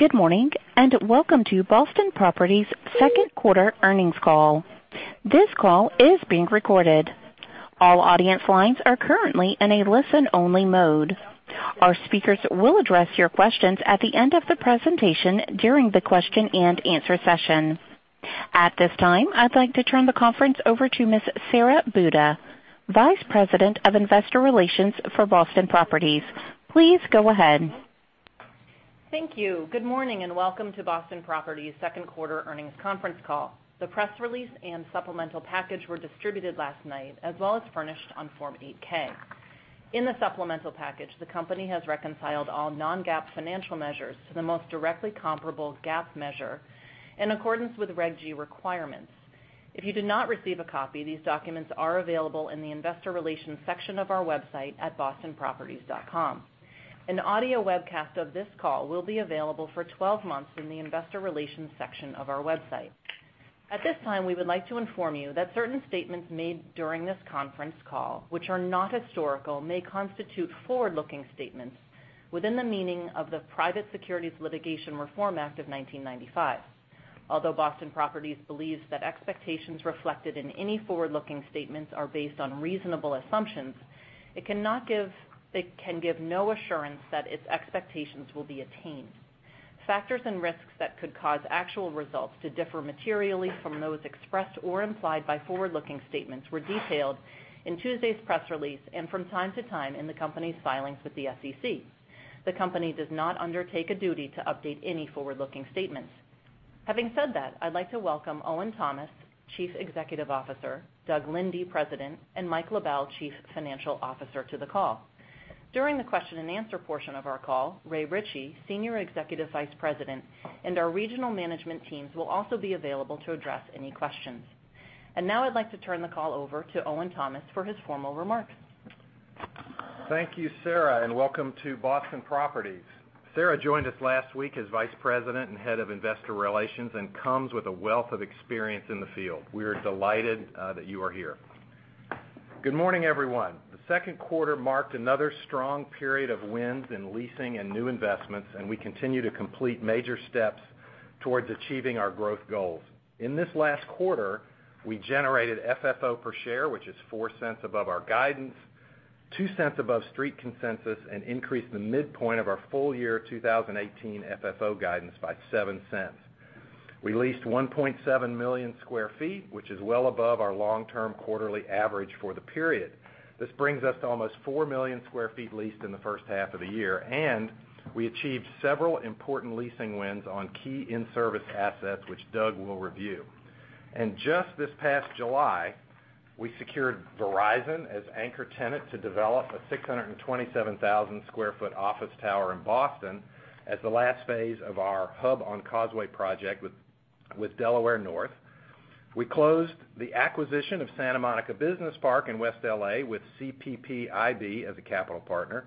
Good morning, welcome to Boston Properties second quarter earnings call. This call is being recorded. All audience lines are currently in a listen-only mode. Our speakers will address your questions at the end of the presentation during the question and answer session. At this time, I'd like to turn the conference over to Ms. Sara Buda, Vice President of Investor Relations for Boston Properties. Please go ahead. Thank you. Good morning, welcome to Boston Properties second quarter earnings conference call. The press release and supplemental package were distributed last night, as well as furnished on Form 8-K. In the supplemental package, the company has reconciled all non-GAAP financial measures to the most directly comparable GAAP measure in accordance with Reg G requirements. If you did not receive a copy, these documents are available in the investor relations section of our website at bostonproperties.com. An audio webcast of this call will be available for 12 months in the investor relations section of our website. At this time, we would like to inform you that certain statements made during this conference call, which are not historical, may constitute forward-looking statements within the meaning of the Private Securities Litigation Reform Act of 1995. Although Boston Properties believes that expectations reflected in any forward-looking statements are based on reasonable assumptions, it can give no assurance that its expectations will be attained. Factors and risks that could cause actual results to differ materially from those expressed or implied by forward-looking statements were detailed in Tuesday's press release, and from time to time in the company's filings with the SEC. The company does not undertake a duty to update any forward-looking statements. Having said that, I'd like to welcome Owen Thomas, Chief Executive Officer, Doug Linde, President, and Mike LaBelle, Chief Financial Officer, to the call. During the question and answer portion of our call, Ray Ritchey, Senior Executive Vice President, and our regional management teams will also be available to address any questions. Now I'd like to turn the call over to Owen Thomas for his formal remarks. Thank you, Sara, welcome to Boston Properties. Sara joined us last week as Vice President and Head of Investor Relations and comes with a wealth of experience in the field. We are delighted that you are here. Good morning, everyone. The second quarter marked another strong period of wins in leasing and new investments, we continue to complete major steps towards achieving our growth goals. In this last quarter, we generated FFO per share, which is $0.04 above our guidance, $0.02 above street consensus, and increased the midpoint of our full year 2018 FFO guidance by $0.07. We leased 1.7 million sq ft, which is well above our long-term quarterly average for the period. This brings us to almost 4 million square feet leased in the first half of the year, and we achieved several important leasing wins on key in-service assets, which Doug will review. Just this past July, we secured Verizon as anchor tenant to develop a 627,000 square foot office tower in Boston as the last phase of our Hub on Causeway project with Delaware North. We closed the acquisition of Santa Monica Business Park in West L.A. with CPPIB as a capital partner,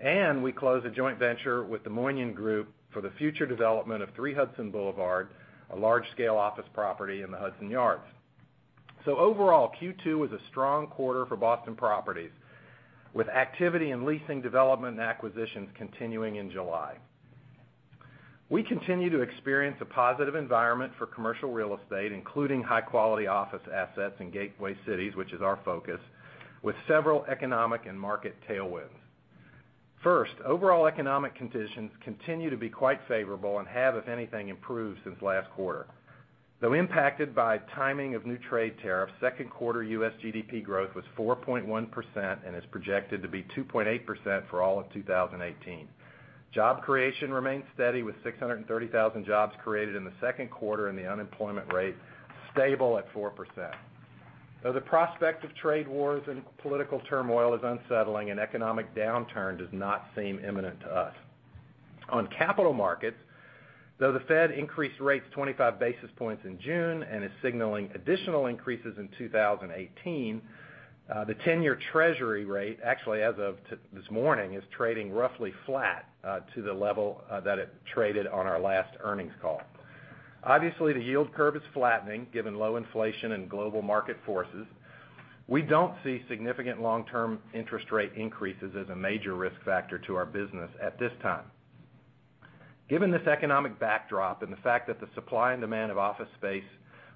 and we closed a joint venture with The Moinian Group for the future development of 3 Hudson Boulevard, a large-scale office property in the Hudson Yards. Overall, Q2 was a strong quarter for Boston Properties, with activity in leasing development and acquisitions continuing in July. We continue to experience a positive environment for commercial real estate, including high-quality office assets in gateway cities, which is our focus, with several economic and market tailwinds. First, overall economic conditions continue to be quite favorable and have, if anything, improved since last quarter. Though impacted by timing of new trade tariffs, second quarter U.S. GDP growth was 4.1% and is projected to be 2.8% for all of 2018. Job creation remains steady, with 630,000 jobs created in the second quarter and the unemployment rate stable at 4%. Though the prospect of trade wars and political turmoil is unsettling, an economic downturn does not seem imminent to us. On capital markets, though the Fed increased rates 25 basis points in June and is signaling additional increases in 2018, the 10-year Treasury rate, actually as of this morning, is trading roughly flat to the level that it traded on our last earnings call. Obviously, the yield curve is flattening, given low inflation and global market forces. We don't see significant long-term interest rate increases as a major risk factor to our business at this time. Given this economic backdrop and the fact that the supply and demand of office space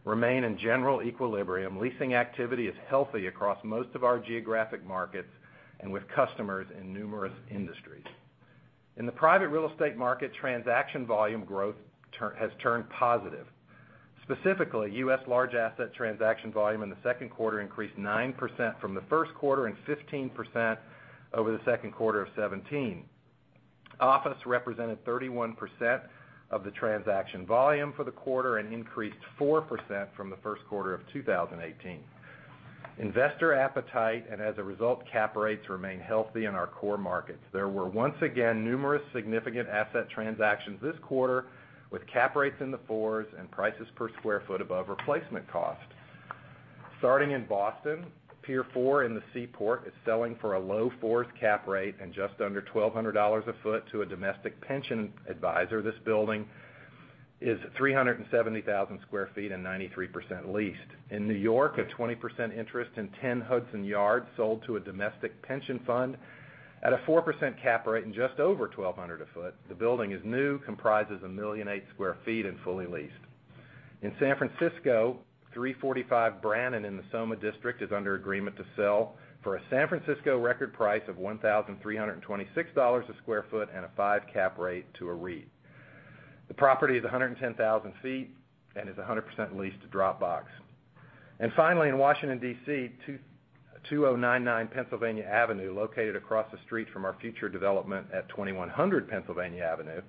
remain in general equilibrium, leasing activity is healthy across most of our geographic markets and with customers in numerous industries. In the private real estate market, transaction volume growth has turned positive. Specifically, U.S. large asset transaction volume in the second quarter increased 9% from the first quarter and 15% over the second quarter of 2017. Office represented 31% of the transaction volume for the quarter and increased 4% from the first quarter of 2018. Investor appetite, and as a result, cap rates remain healthy in our core markets. There were once again numerous significant asset transactions this quarter, with cap rates in the fours and prices per square foot above replacement cost. Starting in Boston, Pier 4 in the Seaport is selling for a low fours cap rate and just under $1,200 a foot to a domestic pension advisor. This building is 370,000 square feet and 93% leased. In New York, a 20% interest in 10 Hudson Yards sold to a domestic pension fund at a 4% cap rate in just over $1,200 a foot. The building is new, comprises 1,800,000 square feet and fully leased. In San Francisco, 345 Brannan in the SoMa district is under agreement to sell for a San Francisco record price of $1,326 a square foot and a 5 cap rate to a REIT. The property is 110,000 feet and is 100% leased to Dropbox. Finally, in Washington, D.C., 2099 Pennsylvania Avenue, located across the street from our future development at 2100 Pennsylvania Avenue,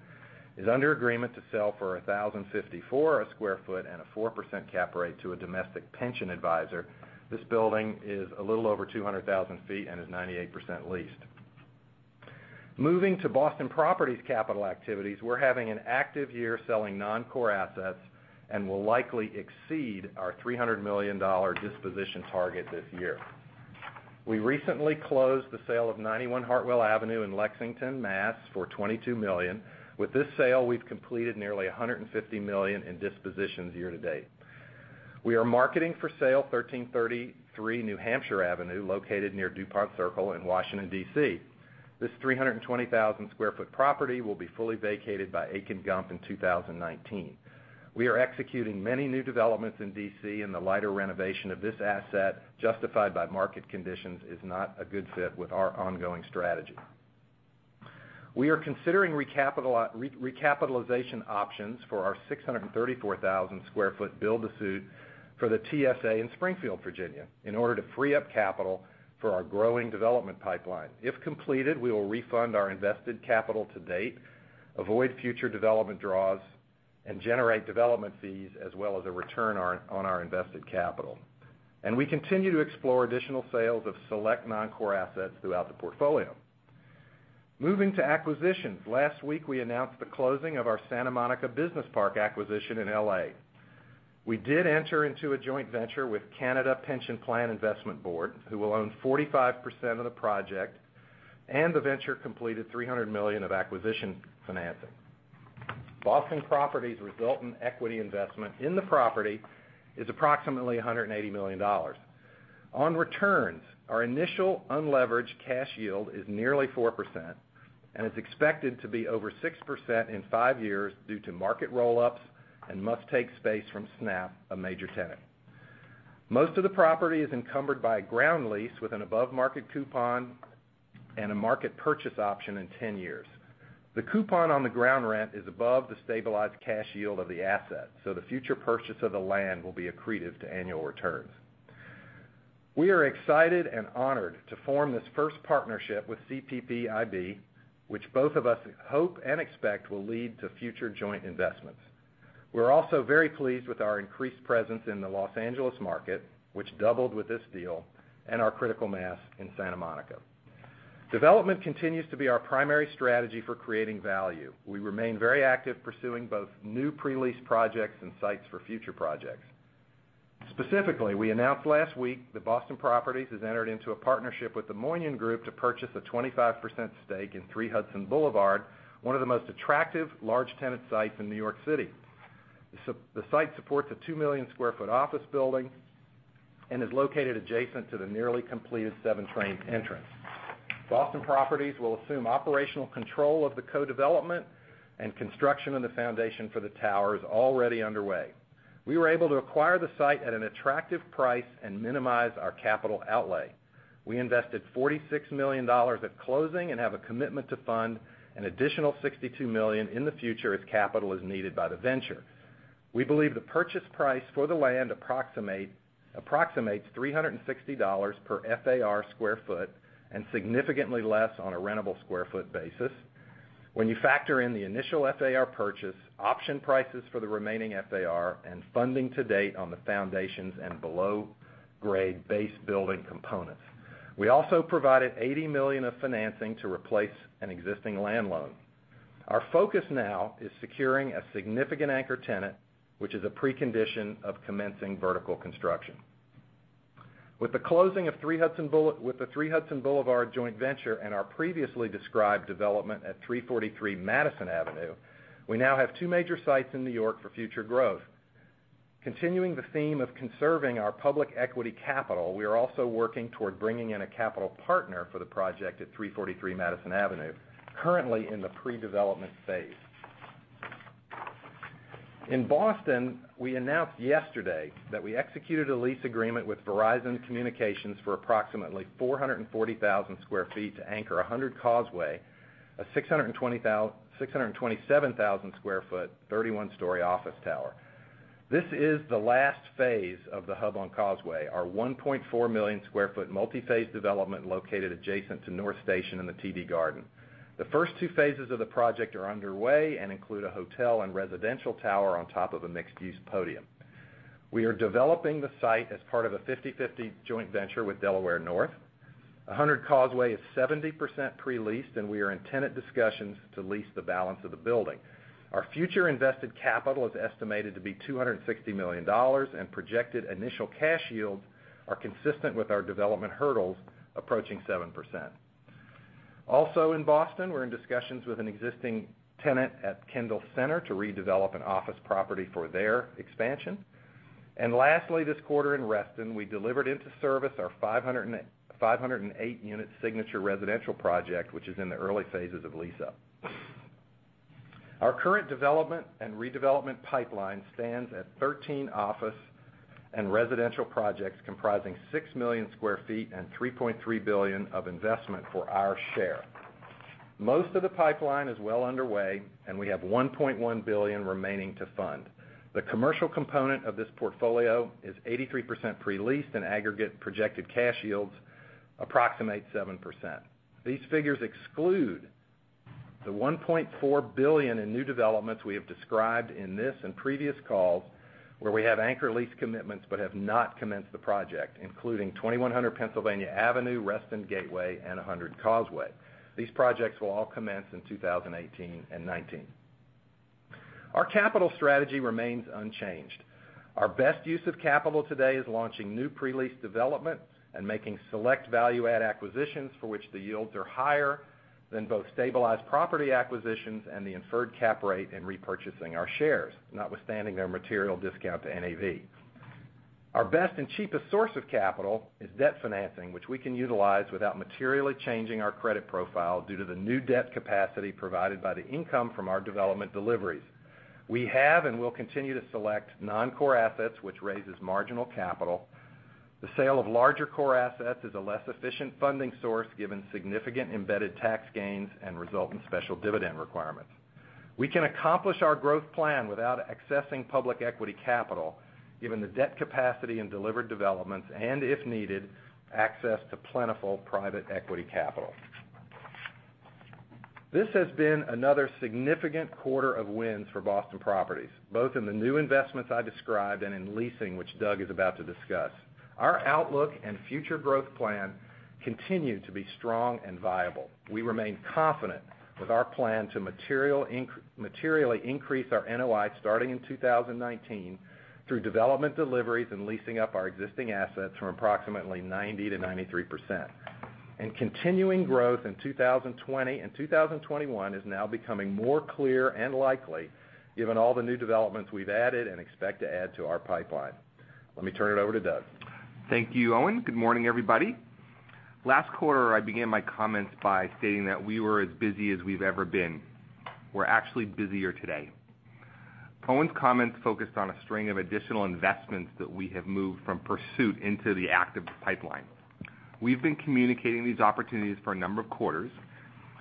is under agreement to sell for $1,054 a square foot and a 4% cap rate to a domestic pension advisor. This building is a little over 200,000 feet and is 98% leased. Moving to Boston Properties capital activities, we are having an active year selling non-core assets and will likely exceed our $300 million disposition target this year. We recently closed the sale of 91 Hartwell Avenue in Lexington, Mass. for $22 million. With this sale, we have completed nearly $150 million in dispositions year to date. We are marketing for sale 1333 New Hampshire Avenue, located near Dupont Circle in Washington, D.C. This 320,000 square foot property will be fully vacated by Akin Gump in 2019. We are executing many new developments in D.C., The lighter renovation of this asset, justified by market conditions, is not a good fit with our ongoing strategy. We are considering recapitalization options for our 634,000 square foot build to suit for the TSA in Springfield, Virginia, in order to free up capital for our growing development pipeline. If completed, we will refund our invested capital to date, avoid future development draws, and generate development fees as well as a return on our invested capital. We continue to explore additional sales of select non-core assets throughout the portfolio. Moving to acquisitions. Last week, we announced the closing of our Santa Monica Business Park acquisition in L.A. We did enter into a joint venture with Canada Pension Plan Investment Board, who will own 45% of the project, The venture completed $300 million of acquisition financing. Boston Properties' resultant equity investment in the property is approximately $180 million. On returns, our initial unleveraged cash yield is nearly 4% and is expected to be over 6% in five years due to market roll-ups and must take space from Snap, a major tenant. Most of the property is encumbered by a ground lease with an above-market coupon and a market purchase option in 10 years. The coupon on the ground rent is above the stabilized cash yield of the asset, The future purchase of the land will be accretive to annual returns. We are excited and honored to form this first partnership with CPPIB, which both of us hope and expect will lead to future joint investments. We are also very pleased with our increased presence in the Los Angeles market, which doubled with this deal, Our critical mass in Santa Monica. Development continues to be our primary strategy for creating value. We remain very active pursuing both new pre-lease projects and sites for future projects. Specifically, we announced last week that Boston Properties has entered into a partnership with The Moinian Group to purchase a 25% stake in 3 Hudson Boulevard, one of the most attractive large tenant sites in New York City. The site supports a 2 million-square-foot office building Is located adjacent to the nearly completed 7 train entrance. Boston Properties will assume operational control of the co-development, Construction on the foundation for the tower is already underway. We were able to acquire the site at an attractive price and minimize our capital outlay. We invested $46 million at closing and have a commitment to fund an additional $62 million in the future as capital is needed by the venture. We believe the purchase price for the land approximates $360 per FAR square foot and significantly less on a rentable square foot basis when you factor in the initial FAR purchase, option prices for the remaining FAR, and funding to date on the foundations and below-grade base building components. We also provided $80 million of financing to replace an existing land loan. Our focus now is securing a significant anchor tenant, which is a precondition of commencing vertical construction. With the 3 Hudson Boulevard joint venture and our previously described development at 343 Madison Avenue, we now have two major sites in New York for future growth. Continuing the theme of conserving our public equity capital, we are also working toward bringing in a capital partner for the project at 343 Madison Avenue, currently in the pre-development phase. In Boston, we announced yesterday that we executed a lease agreement with Verizon Communications for approximately 440,000 square feet to anchor 100 Causeway, a 627,000 square foot, 31-story office tower. This is the last phase of The Hub on Causeway, our 1.4-million-square-foot multi-phase development located adjacent to North Station and the TD Garden. The first 2 phases of the project are underway and include a hotel and residential tower on top of a mixed-use podium. We are developing the site as part of a 50/50 joint venture with Delaware North. 100 Causeway is 70% pre-leased, and we are in tenant discussions to lease the balance of the building. Our future invested capital is estimated to be $260 million, and projected initial cash yields are consistent with our development hurdles approaching 7%. Also in Boston, we're in discussions with an existing tenant at Kendall Center to redevelop an office property for their expansion. Lastly, this quarter in Reston, we delivered into service our 508-unit signature residential project, which is in the early phases of lease-up. Our current development and redevelopment pipeline stands at 13 office and residential projects comprising 6 million square feet and $3.3 billion of investment for our share. Most of the pipeline is well underway, and we have $1.1 billion remaining to fund. The commercial component of this portfolio is 83% pre-leased and aggregate projected cash yields approximate 7%. These figures exclude the $1.4 billion in new developments we have described in this and previous calls, where we have anchor lease commitments but have not commenced the project, including 2100 Pennsylvania Avenue, Reston Gateway, and 100 Causeway. These projects will all commence in 2018 and 2019. Our capital strategy remains unchanged. Our best use of capital today is launching new pre-lease development and making select value-add acquisitions for which the yields are higher than both stabilized property acquisitions and the inferred cap rate in repurchasing our shares, notwithstanding their material discount to NAV. Our best and cheapest source of capital is debt financing, which we can utilize without materially changing our credit profile due to the new debt capacity provided by the income from our development deliveries. We have and will continue to select non-core assets, which raises marginal capital. The sale of larger core assets is a less efficient funding source, given significant embedded tax gains and resulting special dividend requirements. We can accomplish our growth plan without accessing public equity capital, given the debt capacity and delivered developments, and if needed, access to plentiful private equity capital. This has been another significant quarter of wins for Boston Properties, both in the new investments I described and in leasing, which Doug is about to discuss. Our outlook and future growth plan continue to be strong and viable. We remain confident with our plan to materially increase our NOI starting in 2019 through development deliveries and leasing up our existing assets from approximately 90% to 93%. Continuing growth in 2020 and 2021 is now becoming more clear and likely, given all the new developments we've added and expect to add to our pipeline. Let me turn it over to Doug. Thank you, Owen. Good morning, everybody. Last quarter, I began my comments by stating that we were as busy as we've ever been. We're actually busier today. Owen's comments focused on a string of additional investments that we have moved from pursuit into the active pipeline. We've been communicating these opportunities for a number of quarters,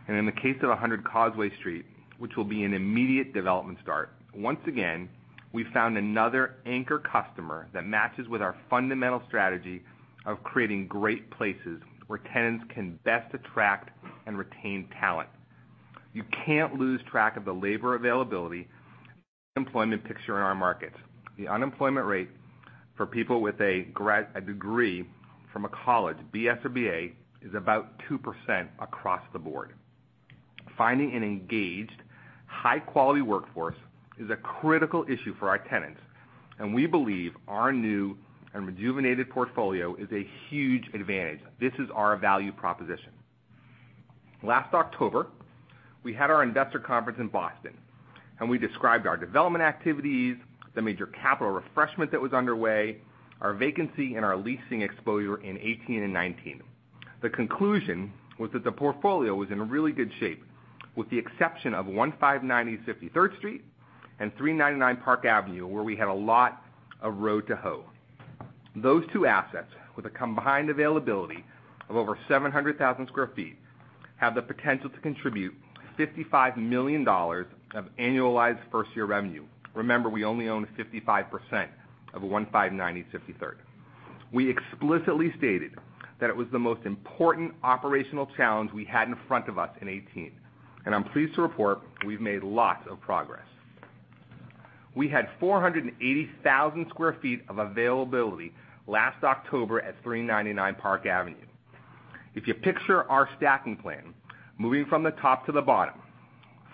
and in the case of 100 Causeway Street, which will be an immediate development start, once again, we found another anchor customer that matches with our fundamental strategy of creating great places where tenants can best attract and retain talent. You can't lose track of the labor availability employment picture in our markets. The unemployment rate for people with a degree from a college, BS or BA, is about 2% across the board. Finding an engaged, high-quality workforce is a critical issue for our tenants, and we believe our new and rejuvenated portfolio is a huge advantage. This is our value proposition. Last October, we had our investor conference in Boston, and we described our development activities, the major capital refreshment that was underway, our vacancy, and our leasing exposure in 2018 and 2019. The conclusion was that the portfolio was in really good shape, with the exception of 159 East 53rd Street and 399 Park Avenue, where we had a lot of row to hoe. Those two assets, with a combined availability of over 700,000 square feet, have the potential to contribute $55 million of annualized first-year revenue. Remember, we only own 55% of 159 East 53rd. We explicitly stated that it was the most important operational challenge we had in front of us in 2018, and I am pleased to report we have made lots of progress. We had 480,000 square feet of availability last October at 399 Park Avenue. If you picture our stacking plan, moving from the top to the bottom,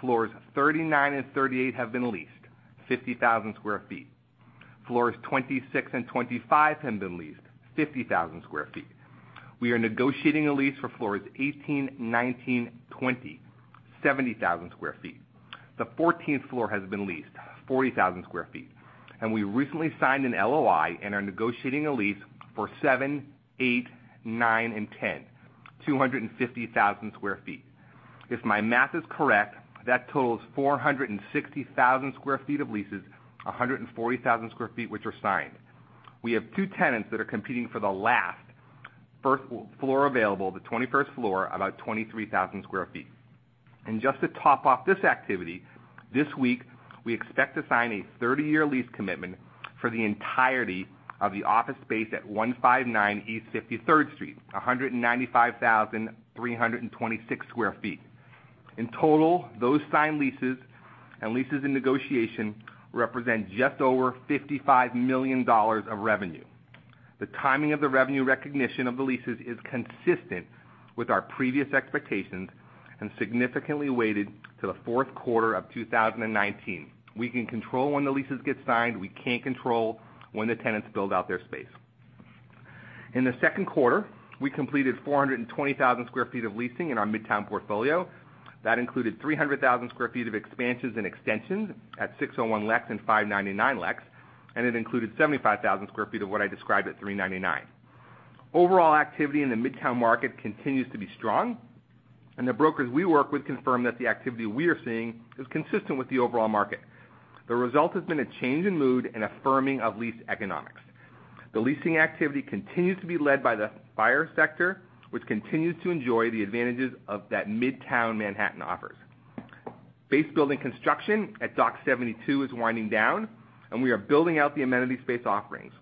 floors 39 and 38 have been leased 50,000 square feet. Floors 26 and 25 have been leased 50,000 square feet. We are negotiating a lease for floors 18, 19, 20, 70,000 square feet. The 14th floor has been leased 40,000 square feet. And we recently signed an LOI and are negotiating a lease for seven, eight, nine, and 10, 250,000 square feet. If my math is correct, that totals 460,000 square feet of leases, 140,000 square feet which are signed. We have two tenants that are competing for the last floor available, the 21st floor, about 23,000 square feet. And just to top off this activity, this week, we expect to sign a 30-year lease commitment for the entirety of the office space at 159 East 53rd Street, 195,326 square feet. In total, those signed leases and leases in negotiation represent just over $55 million of revenue. The timing of the revenue recognition of the leases is consistent with our previous expectations and significantly weighted to the fourth quarter of 2019. We can control when the leases get signed. We cannot control when the tenants build out their space. In the second quarter, we completed 420,000 square feet of leasing in our Midtown portfolio. That included 300,000 square feet of expansions and extensions at 601 Lex and 599 Lex, and it included 75,000 square feet of what I described at 399. Overall activity in the Midtown market continues to be strong, and the brokers we work with confirm that the activity we are seeing is consistent with the overall market. The result has been a change in mood and affirming of lease economics. The leasing activity continues to be led by the buyer sector, which continues to enjoy the advantages of that Midtown Manhattan offers. Base building construction at Dock 72 is winding down, and we are building out the amenity space offerings.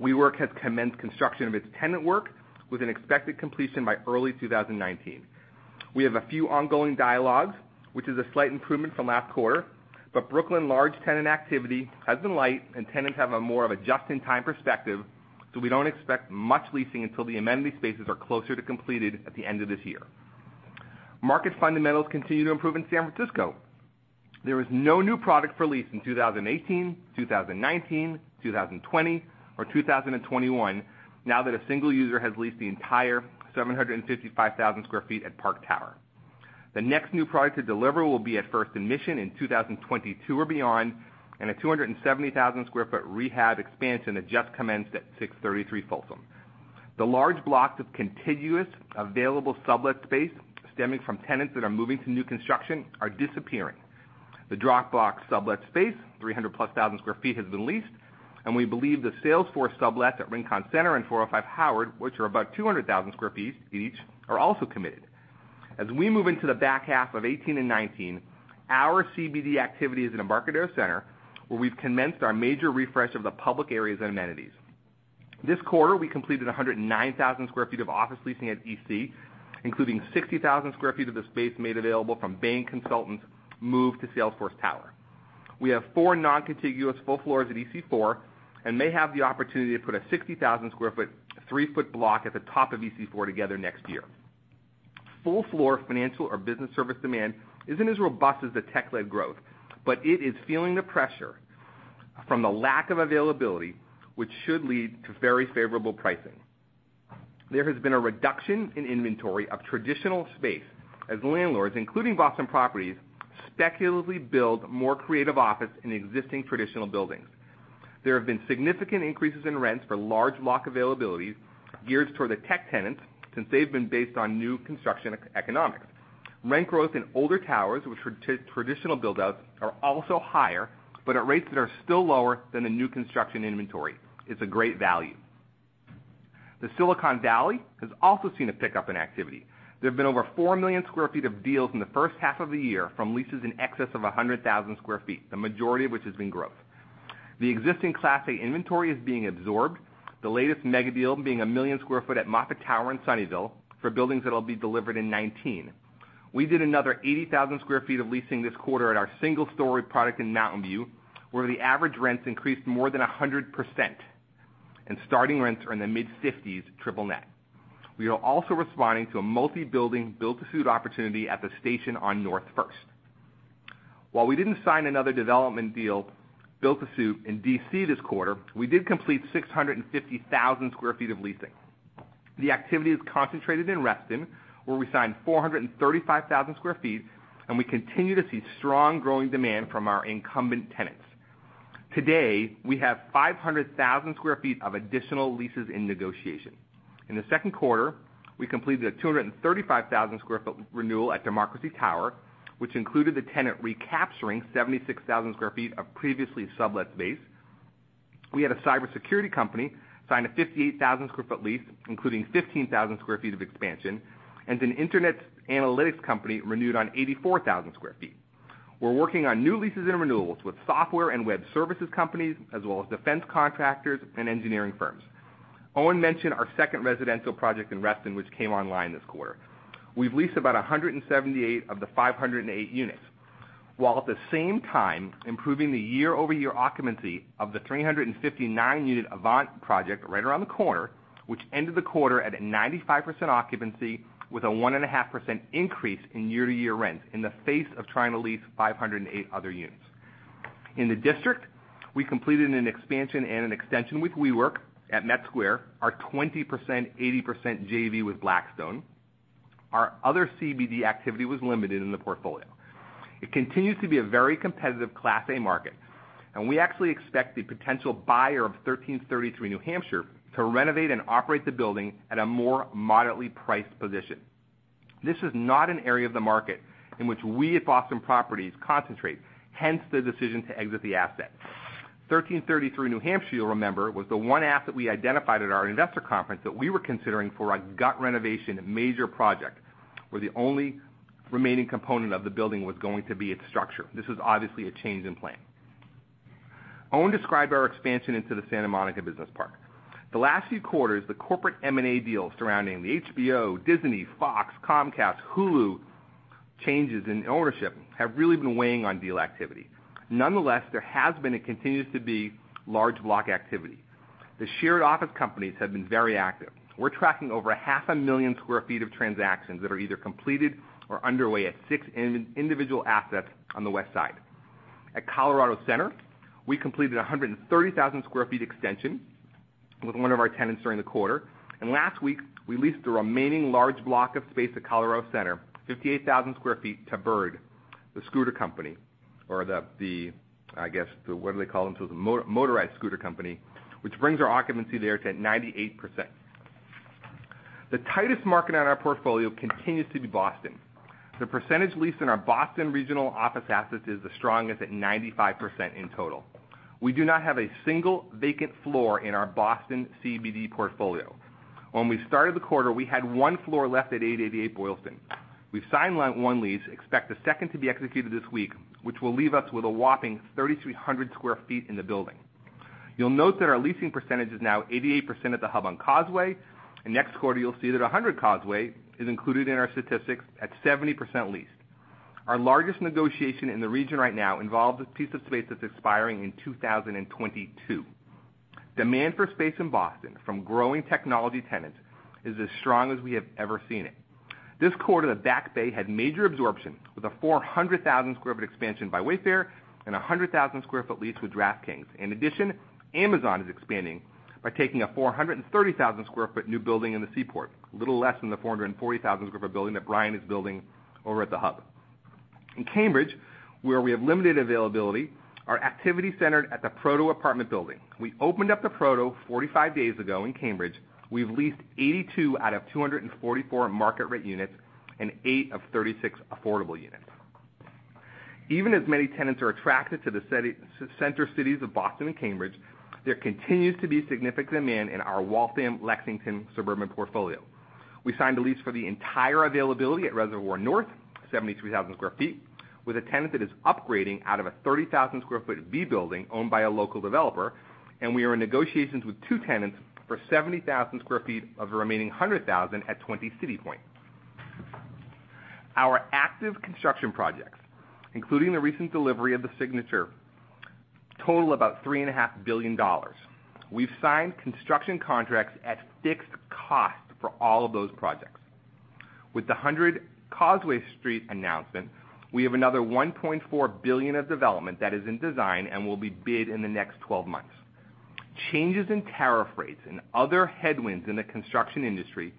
WeWork has commenced construction of its tenant work with an expected completion by early 2019. We have a few ongoing dialogues, which is a slight improvement from last quarter, but Brooklyn large tenant activity has been light and tenants have more of a just-in-time perspective, so we do not expect much leasing until the amenity spaces are closer to completed at the end of this year. Market fundamentals continue to improve in San Francisco. There is no new product for lease in 2018, 2019, 2020, or 2021 now that a single user has leased the entire 755,000 square feet at Park Tower. The next new product to deliver will be at First and Mission in 2022 or beyond and a 270,000 square foot rehab expansion that just commenced at 633 Folsom. The large blocks of contiguous available sublet space stemming from tenants that are moving to new construction are disappearing. The Dropbox sublet space, 300-plus thousand sq ft, has been leased, and we believe the Salesforce sublet at Rincon Center and 405 Howard, which are about 200,000 sq ft each, are also committed. As we move into the back half of 2018 and 2019, our CBD activity is in Embarcadero Center, where we've commenced our major refresh of the public areas and amenities. This quarter, we completed 109,000 sq ft of office leasing at EC, including 60,000 sq ft of the space made available from Bain Consultants' move to Salesforce Tower. We have four non-contiguous full floors at EC4 and may have the opportunity to put a 60,000 sq ft, three-foot block at the top of EC4 together next year. Full floor financial or business service demand isn't as robust as the tech-led growth, but it is feeling the pressure from the lack of availability, which should lead to very favorable pricing. There has been a reduction in inventory of traditional space as landlords, including Boston Properties, speculatively build more creative office in existing traditional buildings. There have been significant increases in rents for large block availabilities geared toward the tech tenants, since they've been based on new construction economics. Rent growth in older towers with traditional build-outs are also higher, but at rates that are still lower than the new construction inventory. It's a great value. The Silicon Valley has also seen a pickup in activity. There have been over 4 million sq ft of deals in the first half of the year from leases in excess of 100,000 sq ft, the majority of which has been growth. The existing Class A inventory is being absorbed, the latest mega deal being a million sq ft at Moffett Towers in Sunnyvale for buildings that'll be delivered in 2019. We did another 80,000 sq ft of leasing this quarter at our single-story product in Mountain View, where the average rents increased more than 100%, and starting rents are in the mid-50s triple net. We are also responding to a multi-building, build to suit opportunity at The Station on North First. While we didn't sign another development deal, build to suit, in D.C. this quarter, we did complete 650,000 sq ft of leasing. The activity is concentrated in Reston, where we signed 435,000 sq ft, and we continue to see strong growing demand from our incumbent tenants. Today, we have 500,000 sq ft of additional leases in negotiation. In the second quarter, we completed a 235,000 sq ft renewal at Democracy Tower, which included the tenant recapturing 76,000 sq ft of previously sublet space. We had a cybersecurity company sign a 58,000 sq ft lease, including 15,000 sq ft of expansion, and an internet analytics company renewed on 84,000 sq ft. We're working on new leases and renewals with software and web services companies, as well as defense contractors and engineering firms. Owen mentioned our second residential project in Reston, which came online this quarter. We've leased about 178 of the 508 units, while at the same time improving the year-over-year occupancy of the 359-unit Avant project right around the corner, which ended the quarter at a 95% occupancy with a 1.5% increase in year-to-year rents in the face of trying to lease 508 other units. In the District, we completed an expansion and an extension with WeWork at Metropolitan Square, our 20%/80% JV with Blackstone. Our other CBD activity was limited in the portfolio. It continues to be a very competitive Class A market, and we actually expect the potential buyer of 1333 New Hampshire to renovate and operate the building at a more moderately priced position. This is not an area of the market in which we at Boston Properties concentrate, hence the decision to exit the asset. 1333 New Hampshire, you'll remember, was the one asset we identified at our investor conference that we were considering for a gut renovation, a major project, where the only remaining component of the building was going to be its structure. This is obviously a change in plan. Owen described our expansion into the Santa Monica Business Park. The last few quarters, the corporate M&A deals surrounding the HBO, Disney, Fox, Comcast, Hulu changes in ownership have really been weighing on deal activity. Nonetheless, there has been and continues to be large block activity. The shared office companies have been very active. We're tracking over a half a million square feet of transactions that are either completed or underway at six individual assets on the West Side. At Colorado Center, we completed 130,000 square feet extension with one of our tenants during the quarter. Last week, we leased the remaining large block of space at Colorado Center, 58,000 square feet to Bird, the scooter company or the, I guess, what do they call them? The motorized scooter company, which brings our occupancy there to 98%. The tightest market on our portfolio continues to be Boston. The percentage lease in our Boston regional office assets is the strongest at 95% in total. We do not have a single vacant floor in our Boston CBD portfolio. When we started the quarter, we had one floor left at 888 Boylston. We've signed one lease, expect the second to be executed this week, which will leave us with a whopping 3,300 square feet in the building. You'll note that our leasing percentage is now 88% at The Hub on Causeway, next quarter you'll see that 100 Causeway is included in our statistics at 70% leased. Our largest negotiation in the region right now involves a piece of space that's expiring in 2022. Demand for space in Boston from growing technology tenants is as strong as we have ever seen it. This quarter, the Back Bay had major absorption, with a 400,000 square foot expansion by Wayfair and 100,000 square foot lease with DraftKings. In addition, Amazon is expanding by taking a 430,000 square foot new building in the Seaport, a little less than the 440,000 square foot building that Bryan is building over at The Hub. In Cambridge, where we have limited availability, our activity centered at The Proto apartment building. We opened up The Proto 45 days ago in Cambridge. We've leased 82 out of 244 market rate units and eight of 36 affordable units. Even as many tenants are attracted to the center cities of Boston and Cambridge, there continues to be significant demand in our Waltham, Lexington suburban portfolio. We signed a lease for the entire availability at Reservoir North, 73,000 sq ft, with a tenant that is upgrading out of a 30,000 sq ft B building owned by a local developer. We are in negotiations with two tenants for 70,000 sq ft of the remaining 100,000 at 20 CityPoint. Our active construction projects, including the recent delivery of the signature, total about $3.5 billion. We've signed construction contracts at fixed cost for all of those projects. With the 100 Causeway Street announcement, we have another $1.4 billion of development that is in design and will be bid in the next 12 months. Changes in tariff rates and other headwinds in the construction industry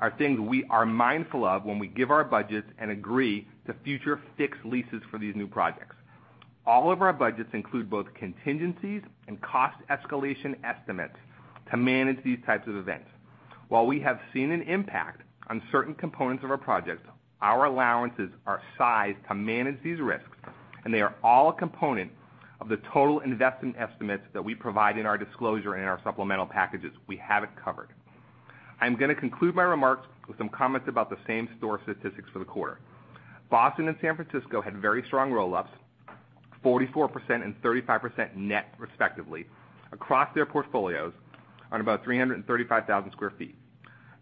are things we are mindful of when we give our budgets and agree to future fixed leases for these new projects. All of our budgets include both contingencies and cost escalation estimates to manage these types of events. While we have seen an impact on certain components of our projects, our allowances are sized to manage these risks. They are all a component of the total investment estimates that we provide in our disclosure and in our supplemental packages. We have it covered. I'm going to conclude my remarks with some comments about the same store statistics for the quarter. Boston and San Francisco had very strong roll-ups, 44% and 35% net respectively, across their portfolios on about 335,000 sq ft.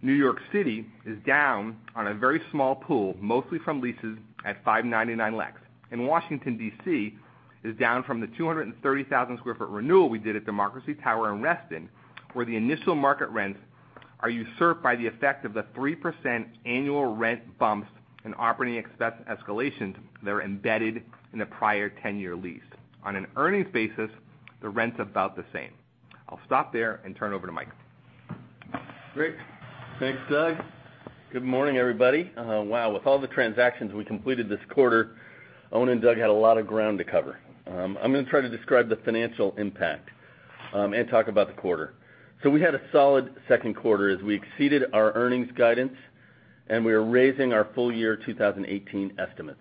New York City is down on a very small pool, mostly from leases at 599 Lex. Washington, D.C., is down from the 230,000 sq ft renewal we did at Democracy Tower in Reston, where the initial market rents are usurped by the effect of the 3% annual rent bumps and operating expense escalations that are embedded in the prior 10-year lease. On an earnings basis, the rent's about the same. I'll stop there and turn over to Mike. Great. Thanks, Doug. Good morning, everybody. Wow. With all the transactions we completed this quarter, Owen and Doug had a lot of ground to cover. I'm going to try to describe the financial impact, and talk about the quarter. We had a solid second quarter as we exceeded our earnings guidance. We are raising our full year 2018 estimates.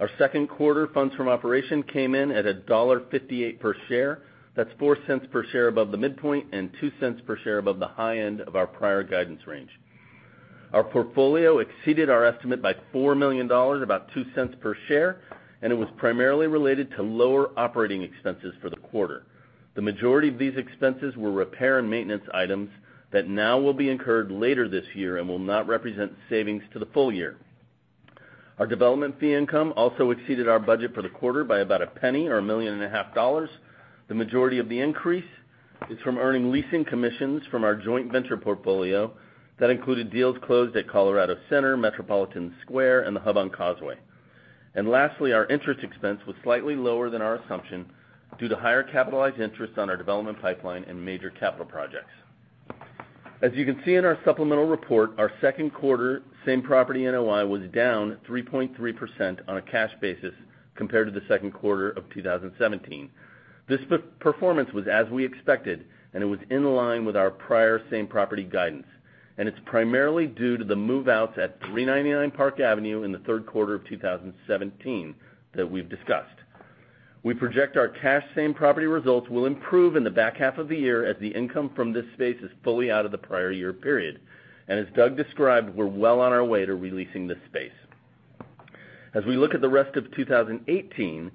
Our second quarter funds from operation came in at $1.58 per share. That's $0.04 per share above the midpoint and $0.02 per share above the high end of our prior guidance range. Our portfolio exceeded our estimate by $4 million, about $0.02 per share. It was primarily related to lower operating expenses for the quarter. The majority of these expenses were repair and maintenance items that now will be incurred later this year and will not represent savings to the full year. Our development fee income also exceeded our budget for the quarter by about $0.01 or $1.5 million. The majority of the increase is from earning leasing commissions from our joint venture portfolio that included deals closed at Colorado Center, Metropolitan Square, and The Hub on Causeway. Lastly, our interest expense was slightly lower than our assumption due to higher capitalized interest on our development pipeline and major capital projects. As you can see in our supplemental report, our second quarter same property NOI was down 3.3% on a cash basis compared to the second quarter of 2017. This performance was as we expected, and it was in line with our prior same property guidance. It's primarily due to the move-outs at 399 Park Avenue in the third quarter of 2017 that we've discussed. We project our cash same property results will improve in the back half of the year as the income from this space is fully out of the prior year period. As Doug described, we're well on our way to re-leasing this space. As we look at the rest of 2018,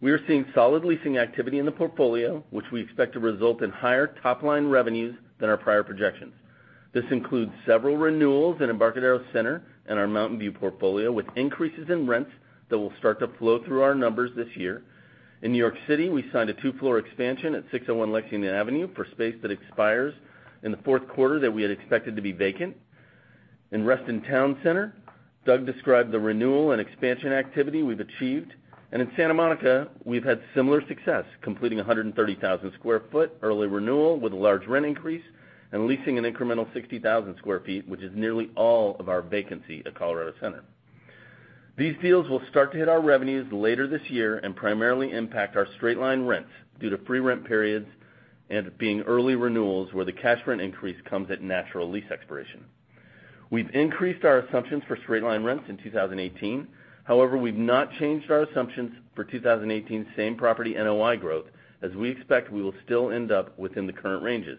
we are seeing solid leasing activity in the portfolio, which we expect to result in higher top-line revenues than our prior projections. This includes several renewals in Embarcadero Center and our Mountain View portfolio, with increases in rents that will start to flow through our numbers this year. In New York City, we signed a two-floor expansion at 601 Lexington Avenue for space that expires in the fourth quarter that we had expected to be vacant. In Reston Town Center, Doug described the renewal and expansion activity we've achieved. In Santa Monica, we've had similar success, completing 130,000 sq ft early renewal with a large rent increase and leasing an incremental 60,000 sq ft, which is nearly all of our vacancy at Colorado Center. These deals will start to hit our revenues later this year and primarily impact our straight-line rents due to free rent periods and it being early renewals where the cash rent increase comes at natural lease expiration. We've increased our assumptions for straight-line rents in 2018. However, we've not changed our assumptions for 2018 same property NOI growth, as we expect we will still end up within the current ranges.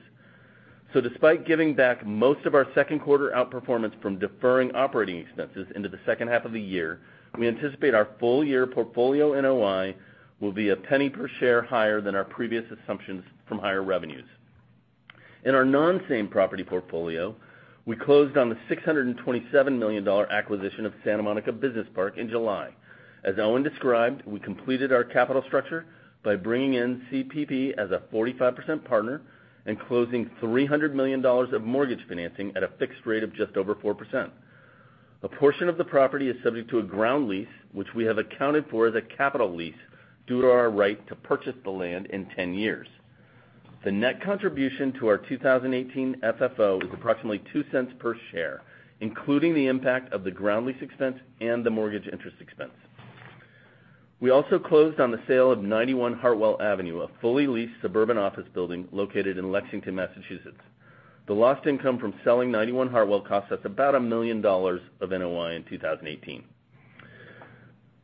Despite giving back most of our second quarter outperformance from deferring operating expenses into the second half of the year, we anticipate our full year portfolio NOI will be $0.01 per share higher than our previous assumptions from higher revenues. In our non-same-property portfolio, we closed on the $627 million acquisition of Santa Monica Business Park in July. Owen described, we completed our capital structure by bringing in CPP as a 45% partner and closing $300 million of mortgage financing at a fixed rate of just over 4%. A portion of the property is subject to a ground lease, which we have accounted for as a capital lease due to our right to purchase the land in 10 years. The net contribution to our 2018 FFO is approximately $0.02 per share, including the impact of the ground lease expense and the mortgage interest expense. We also closed on the sale of 91 Hartwell Avenue, a fully leased suburban office building located in Lexington, Massachusetts. The lost income from selling 91 Hartwell cost us about $1 million of NOI in 2018.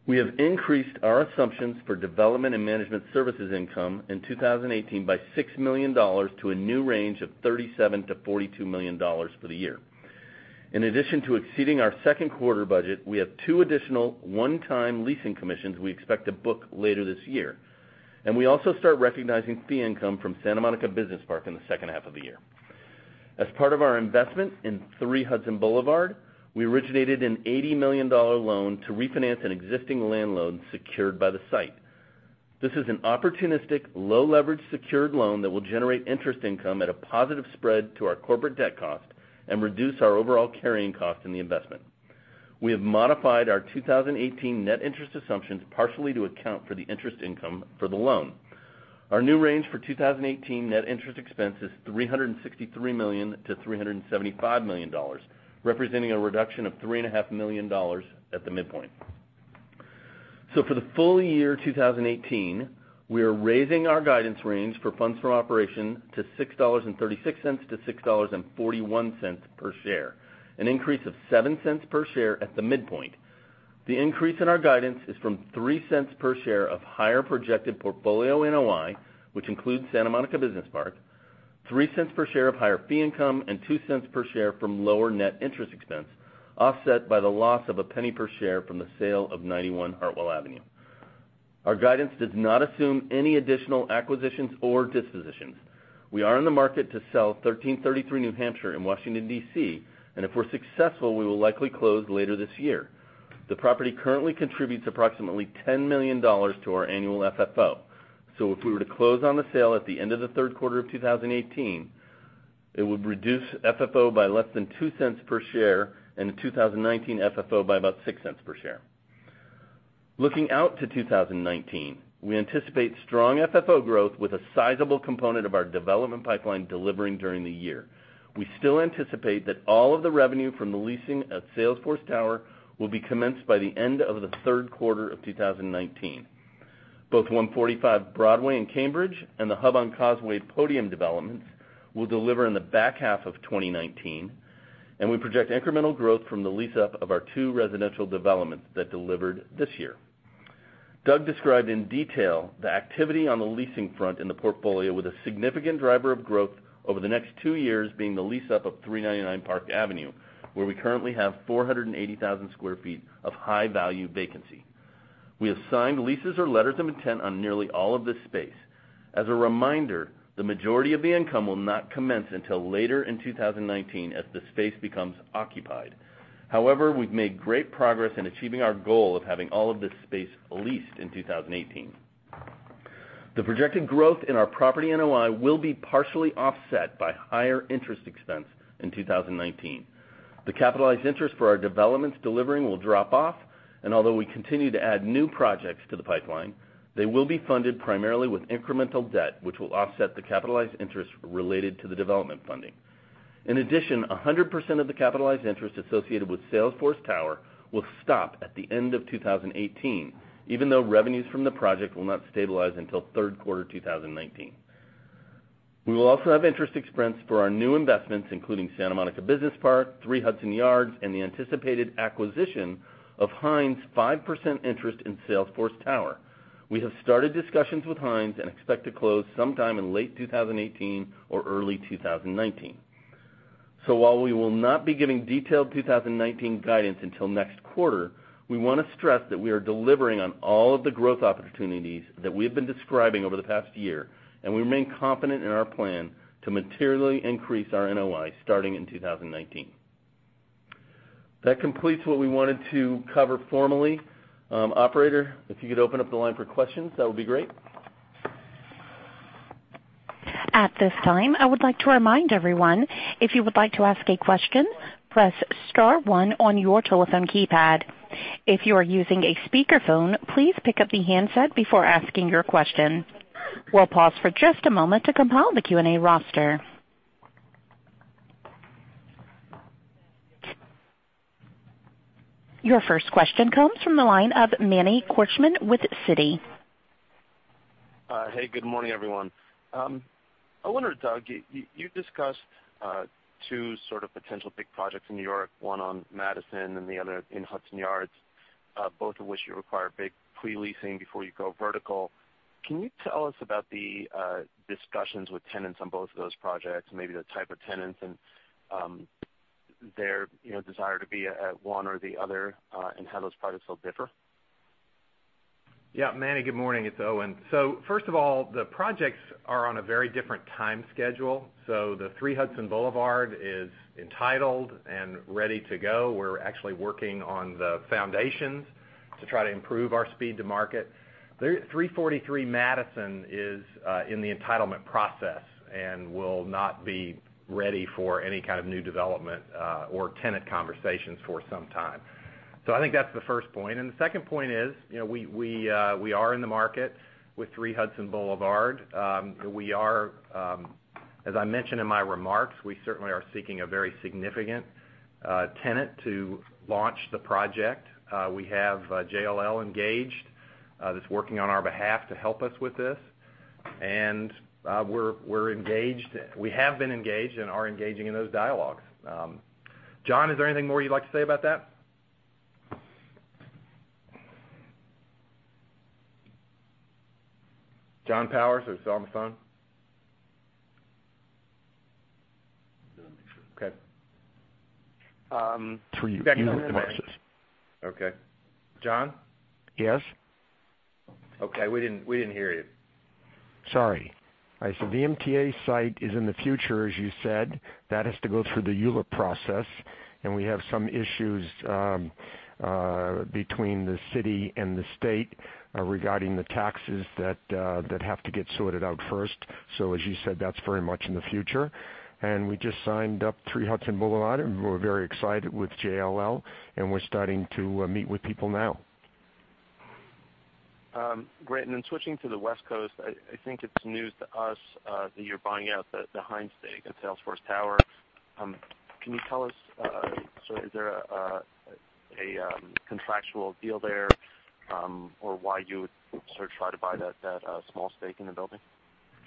We have increased our assumptions for development and management services income in 2018 by $6 million to a new range of $37 million to $42 million for the year. In addition to exceeding our second quarter budget, we have two additional one-time leasing commissions we expect to book later this year, and we also start recognizing fee income from Santa Monica Business Park in the second half of the year. As part of our investment in 3 Hudson Boulevard, we originated an $80 million loan to refinance an existing land loan secured by the site. This is an opportunistic, low-leverage secured loan that will generate interest income at a positive spread to our corporate debt cost and reduce our overall carrying cost in the investment. We have modified our 2018 net interest assumptions partially to account for the interest income for the loan. Our new range for 2018 net interest expense is $363 million to $375 million, representing a reduction of $3.5 million at the midpoint. For the full year 2018, we are raising our guidance range for funds from operation to $6.36 to $6.41 per share, an increase of $0.07 per share at the midpoint. The increase in our guidance is from $0.03 per share of higher projected portfolio NOI, which includes Santa Monica Business Park, $0.03 per share of higher fee income, and $0.02 per share from lower net interest expense, offset by the loss of $0.01 per share from the sale of 91 Hartwell Avenue. Our guidance does not assume any additional acquisitions or dispositions. We are in the market to sell 1333 New Hampshire in Washington, D.C., and if we're successful, we will likely close later this year. The property currently contributes approximately $10 million to our annual FFO. If we were to close on the sale at the end of the third quarter of 2018, it would reduce FFO by less than $0.02 per share and the 2019 FFO by about $0.06 per share. Looking out to 2019, we anticipate strong FFO growth with a sizable component of our development pipeline delivering during the year. We still anticipate that all of the revenue from the leasing at Salesforce Tower will be commenced by the end of the third quarter of 2019. Both 145 Broadway in Cambridge and The Hub on Causeway podium developments will deliver in the back half of 2019, and we project incremental growth from the lease-up of our two residential developments that delivered this year. Doug described in detail the activity on the leasing front in the portfolio with a significant driver of growth over the next two years being the lease-up of 399 Park Avenue, where we currently have 480,000 sq ft of high-value vacancy. We have signed leases or letters of intent on nearly all of this space. As a reminder, the majority of the income will not commence until later in 2019 as the space becomes occupied. However, we've made great progress in achieving our goal of having all of this space leased in 2018. The projected growth in our property NOI will be partially offset by higher interest expense in 2019. The capitalized interest for our developments delivering will drop off, and although we continue to add new projects to the pipeline, they will be funded primarily with incremental debt, which will offset the capitalized interest related to the development funding. In addition, 100% of the capitalized interest associated with Salesforce Tower will stop at the end of 2018, even though revenues from the project will not stabilize until third quarter 2019. We will also have interest expense for our new investments, including Santa Monica Business Park, 3 Hudson Boulevard, and the anticipated acquisition of Hines' 5% interest in Salesforce Tower. We have started discussions with Hines and expect to close sometime in late 2018 or early 2019. While we will not be giving detailed 2019 guidance until next quarter, we want to stress that we are delivering on all of the growth opportunities that we have been describing over the past year, and we remain confident in our plan to materially increase our NOI starting in 2019. That completes what we wanted to cover formally. Operator, if you could open up the line for questions, that would be great. At this time, I would like to remind everyone, if you would like to ask a question, press star one on your telephone keypad. If you are using a speakerphone, please pick up the handset before asking your question. We'll pause for just a moment to compile the Q&A roster. Your first question comes from the line of Manny Korchman with Citi. Hey, good morning, everyone. I wonder, Doug, you have discussed two sort of potential big projects in New York, one on Madison and the other in Hudson Yards, both of which require big pre-leasing before you go vertical. Can you tell us about the discussions with tenants on both of those projects, maybe the type of tenants and their desire to be at one or the other, and how those projects will differ? Manny, good morning. It's Owen. First of all, the projects are on a very different time schedule. The 3 Hudson Boulevard is entitled and ready to go. We're actually working on the foundations to try to improve our speed to market. 343 Madison is in the entitlement process and will not be ready for any kind of new development or tenant conversations for some time. I think that's the first point. The second point is, we are in the market with 3 Hudson Boulevard. As I mentioned in my remarks, we certainly are seeking a very significant tenant to launch the project. We have JLL engaged, that's working on our behalf to help us with this, and we have been engaged and are engaging in those dialogues. John, is there anything more you'd like to say about that? John Powers, are you still on the phone? No, I'm not sure. Okay. It's for you. You were next. Okay. John? Yes. Okay. We didn't hear you. Sorry. The MTA site is in the future, as you said. That has to go through the ULURP process, and we have some issues between the city and the state regarding the taxes that have to get sorted out first. As you said, that's very much in the future. We just signed up 3 Hudson Boulevard, and we're very excited with JLL, and we're starting to meet with people now. Great. Switching to the West Coast, I think it's news to us that you're buying out the Hines stake at Salesforce Tower. Can you tell us, so is there a contractual deal there, or why you would sort of try to buy that small stake in the building?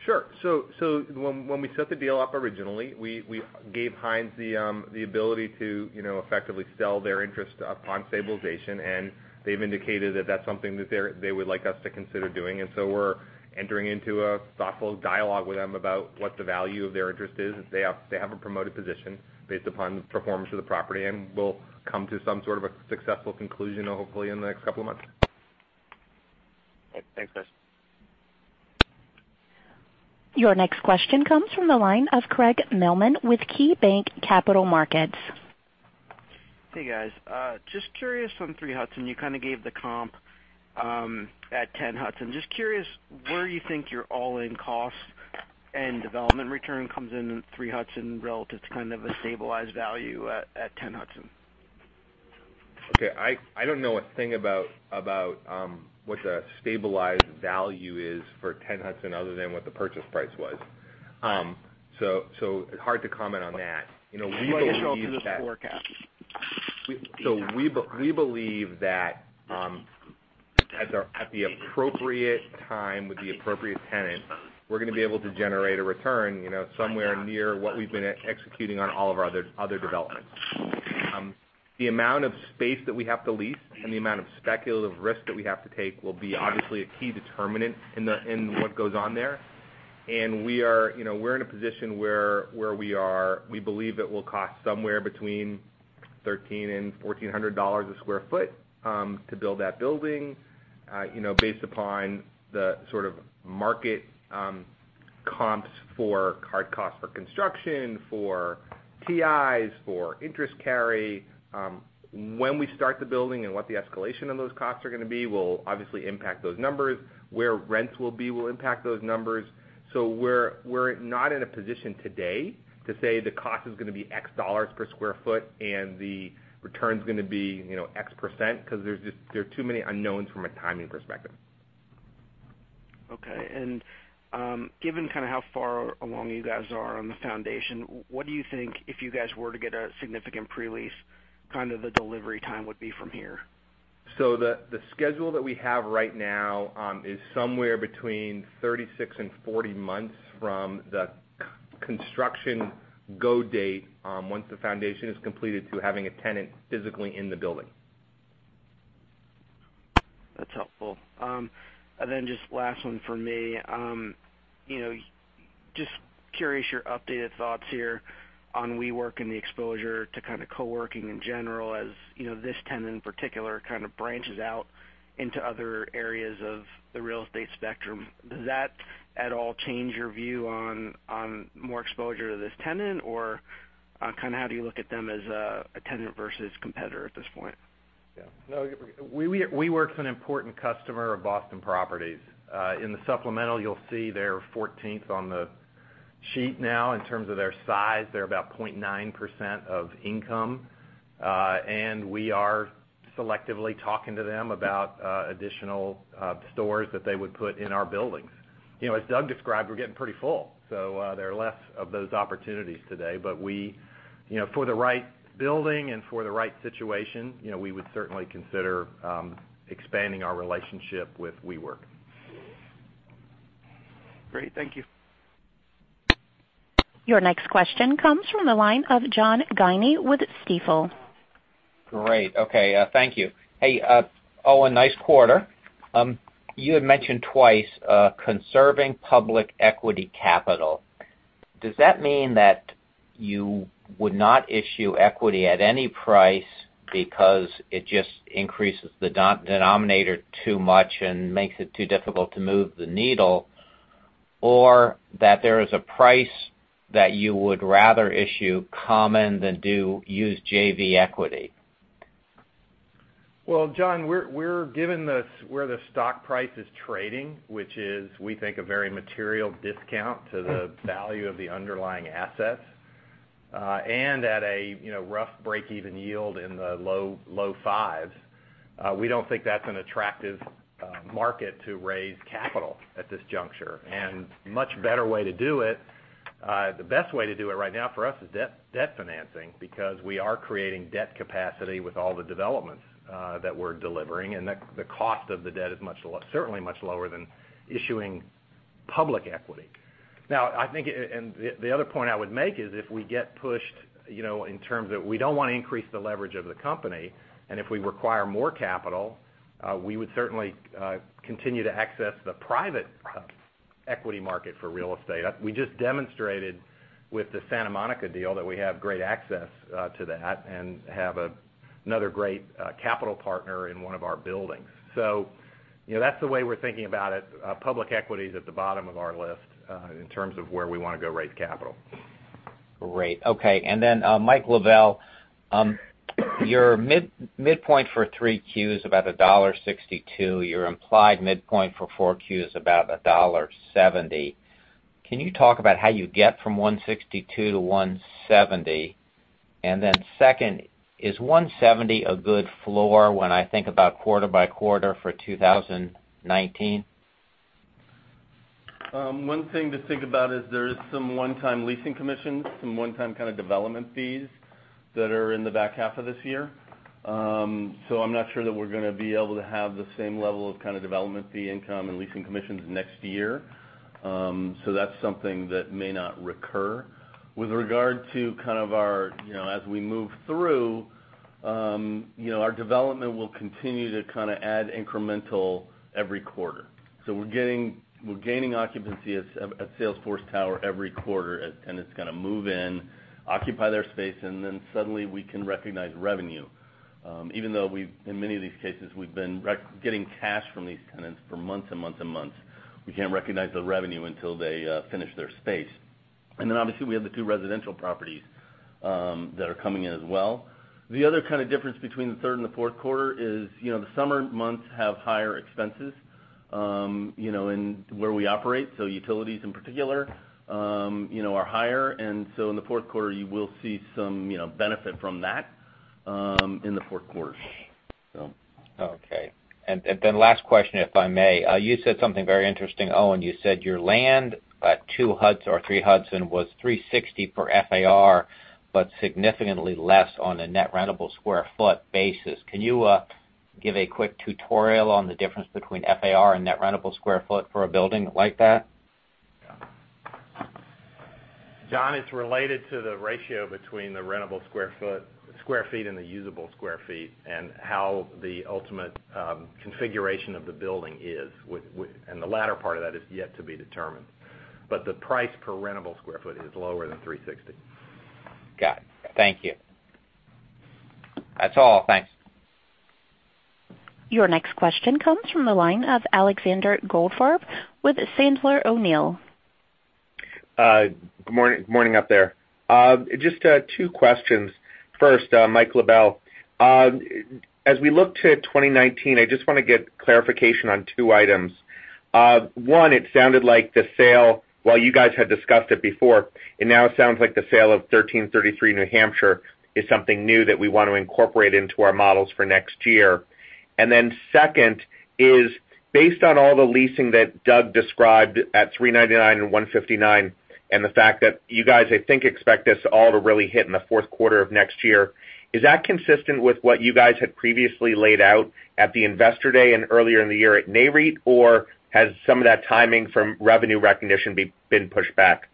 When we set the deal up originally, we gave Hines the ability to effectively sell their interest upon stabilization. They've indicated that that's something that they would like us to consider doing. We're entering into a thoughtful dialogue with them about what the value of their interest is. They have a promoted position based upon the performance of the property. We'll come to some sort of a successful conclusion, hopefully, in the next couple of months. Okay. Thanks, guys. Your next question comes from the line of Craig Mailman with KeyBanc Capital Markets. Hey, guys. Just curious on 3 Hudson. You kind of gave the comp at 10 Hudson. Just curious where you think your all-in cost and development return comes in at 3 Hudson relative to kind of a stabilized value at 10 Hudson. Okay. I don't know a thing about what the stabilized value is for 10 Hudson other than what the purchase price was. It's hard to comment on that. this forecast. We believe that at the appropriate time with the appropriate tenant, we're going to be able to generate a return somewhere near what we've been executing on all of our other developments. The amount of space that we have to lease and the amount of speculative risk that we have to take will be obviously a key determinant in what goes on there. We're in a position where we believe it will cost somewhere between $1,300 and $1,400 a square foot to build that building, based upon the sort of market comps for hard costs for construction, for TIs, for interest carry. When we start the building and what the escalation of those costs are going to be will obviously impact those numbers. Where rents will be will impact those numbers. We're not in a position today to say the cost is going to be X dollars per square foot and the return's going to be X percent, because there are too many unknowns from a timing perspective. Okay. Given kind of how far along you guys are on the foundation, what do you think, if you guys were to get a significant pre-lease, kind of the delivery time would be from here? The schedule that we have right now is somewhere between 36 and 40 months from the construction go date, once the foundation is completed to having a tenant physically in the building. That's helpful. Just last one from me. Just curious your updated thoughts here on WeWork and the exposure to kind of co-working in general, as this tenant in particular kind of branches out into other areas of the real estate spectrum. Does that at all change your view on more exposure to this tenant, or kind of how do you look at them as a tenant versus competitor at this point? Yeah. WeWork's an important customer of Boston Properties. In the supplemental, you'll see they're 14th on the sheet now in terms of their size. They're about 0.9% of income. We are selectively talking to them about additional stores that they would put in our buildings. As Doug described, we're getting pretty full, there are less of those opportunities today. For the right building and for the right situation, we would certainly consider expanding our relationship with WeWork. Great. Thank you. Your next question comes from the line of John Guinee with Stifel. Great. Okay. Thank you. Hey, Owen, nice quarter. You had mentioned twice, conserving public equity capital. Does that mean that you would not issue equity at any price because it just increases the denominator too much and makes it too difficult to move the needle? Or that there is a price that you would rather issue common than use JV equity? Well, John, given where the stock price is trading, which is, we think, a very material discount to the value of the underlying assets, at a rough breakeven yield in the low fives, we don't think that's an attractive market to raise capital at this juncture. Much better way to do it, the best way to do it right now for us is debt financing, because we are creating debt capacity with all the developments that we're delivering, the cost of the debt is certainly much lower than issuing public equity. The other point I would make is if we get pushed in terms of we don't want to increase the leverage of the company, if we require more capital, we would certainly continue to access the private equity market for real estate. We just demonstrated with the Santa Monica deal that we have great access to that and have another great capital partner in one of our buildings. That's the way we're thinking about it. Public equity is at the bottom of our list, in terms of where we want to go raise capital. Great. Okay. Mike LaBelle, your midpoint for 3Q is about $1.62. Your implied midpoint for 4Q is about $1.70. Can you talk about how you get from $1.62 to $1.70? Second, is $1.70 a good floor when I think about quarter by quarter for 2019? One thing to think about is there is some one-time leasing commissions, some one-time kind of development fees that are in the back half of this year. I'm not sure that we're going to be able to have the same level of kind of development fee income and leasing commissions next year. That's something that may not recur. With regard to kind of our, as we move through, our development will continue to kind of add incremental every quarter. We're gaining occupancy at Salesforce Tower every quarter as tenants kind of move in, occupy their space, and then suddenly we can recognize revenue. Even though in many of these cases, we've been getting cash from these tenants for months and months and months. We can't recognize the revenue until they finish their space. Obviously, we have the two residential properties that are coming in as well. The other kind of difference between the third and the fourth quarter is the summer months have higher expenses, in where we operate, so utilities in particular are higher. In the fourth quarter, you will see some benefit from that in the fourth quarter. Okay. Last question, if I may. You said something very interesting, Owen. You said your land at 3 Hudson was 360 for FAR, but significantly less on a net rentable square foot basis. Can you give a quick tutorial on the difference between FAR and net rentable square foot for a building like that? John, it's related to the ratio between the rentable square feet and the usable square feet, and how the ultimate configuration of the building is. The latter part of that is yet to be determined. The price per rentable square foot is lower than 360. Got it. Thank you. That's all. Thanks. Your next question comes from the line of Alexander Goldfarb with Sandler O'Neill. Good morning up there. Just 2 questions. First, Mike LaBelle. As we look to 2019, I just want to get clarification on 2 items. One, it sounded like the sale, while you guys had discussed it before, it now sounds like the sale of 1333 New Hampshire is something new that we want to incorporate into our models for next year. Second, based on all the leasing that Doug described at 399 and 159, and the fact that you guys, I think, expect this all to really hit in the fourth quarter of next year, is that consistent with what you guys had previously laid out at the Investor Day and earlier in the year at Nareit, or has some of that timing from revenue recognition been pushed back?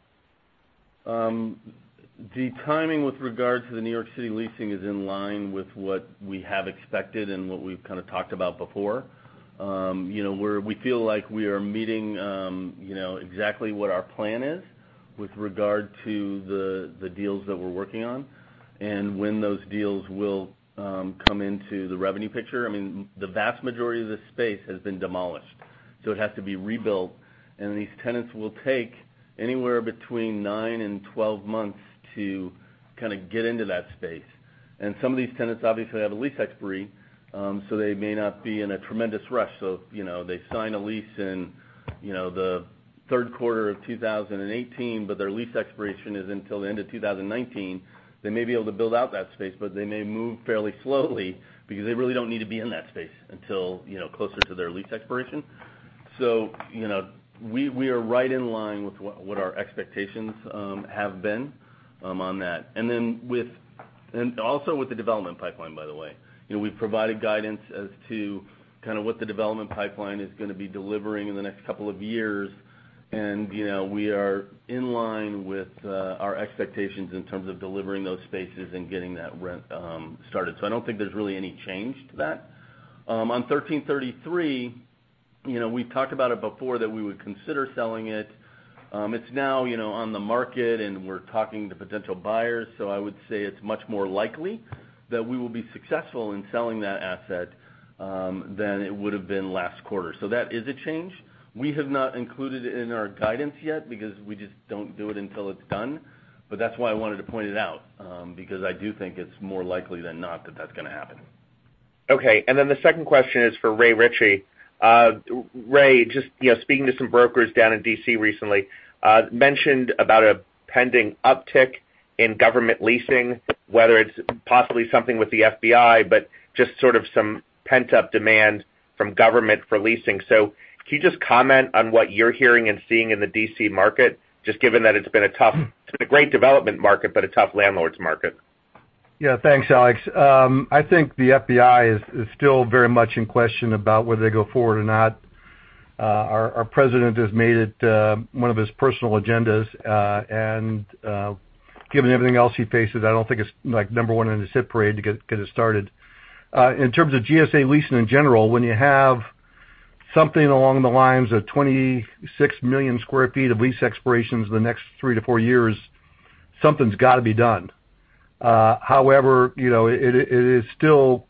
The timing with regard to the New York City leasing is in line with what we have expected and what we've kind of talked about before. We feel like we are meeting exactly what our plan is with regard to the deals that we're working on and when those deals will come into the revenue picture. The vast majority of this space has been demolished. It has to be rebuilt. These tenants will take anywhere between nine and 12 months to get into that space. Some of these tenants obviously have a lease expiry, so they may not be in a tremendous rush. They sign a lease in the 3rd quarter of 2018, but their lease expiration isn't until the end of 2019. They may be able to build out that space, but they may move fairly slowly because they really don't need to be in that space until closer to their lease expiration. We are right in line with what our expectations have been on that. Also with the development pipeline, by the way. We've provided guidance as to what the development pipeline is going to be delivering in the next couple of years. We are in line with our expectations in terms of delivering those spaces and getting that rent started. I don't think there's really any change to that. On 1333, we've talked about it before that we would consider selling it. It's now on the market, and we're talking to potential buyers. I would say it's much more likely that we will be successful in selling that asset than it would've been last quarter. That is a change. We have not included it in our guidance yet because we just don't do it until it's done. That's why I wanted to point it out, because I do think it's more likely than not that that's going to happen. Okay. The second question is for Ray Ritchey. Ray, just speaking to some brokers down in D.C. recently, mentioned about a pending uptick in government leasing, whether it's possibly something with the FBI, but just sort of some pent-up demand from government for leasing. Can you just comment on what you're hearing and seeing in the D.C. market, just given that it's been a great development market, but a tough landlord's market? Yeah. Thanks, Alex. I think the FBI is still very much in question about whether they go forward or not. Our President has made it one of his personal agendas, given everything else he faces, I don't think it's number one in his hit parade to get it started. In terms of GSA leasing in general, when you have something along the lines of 26 million sq ft of lease expirations in the next three to four years, something's got to be done. However, it is still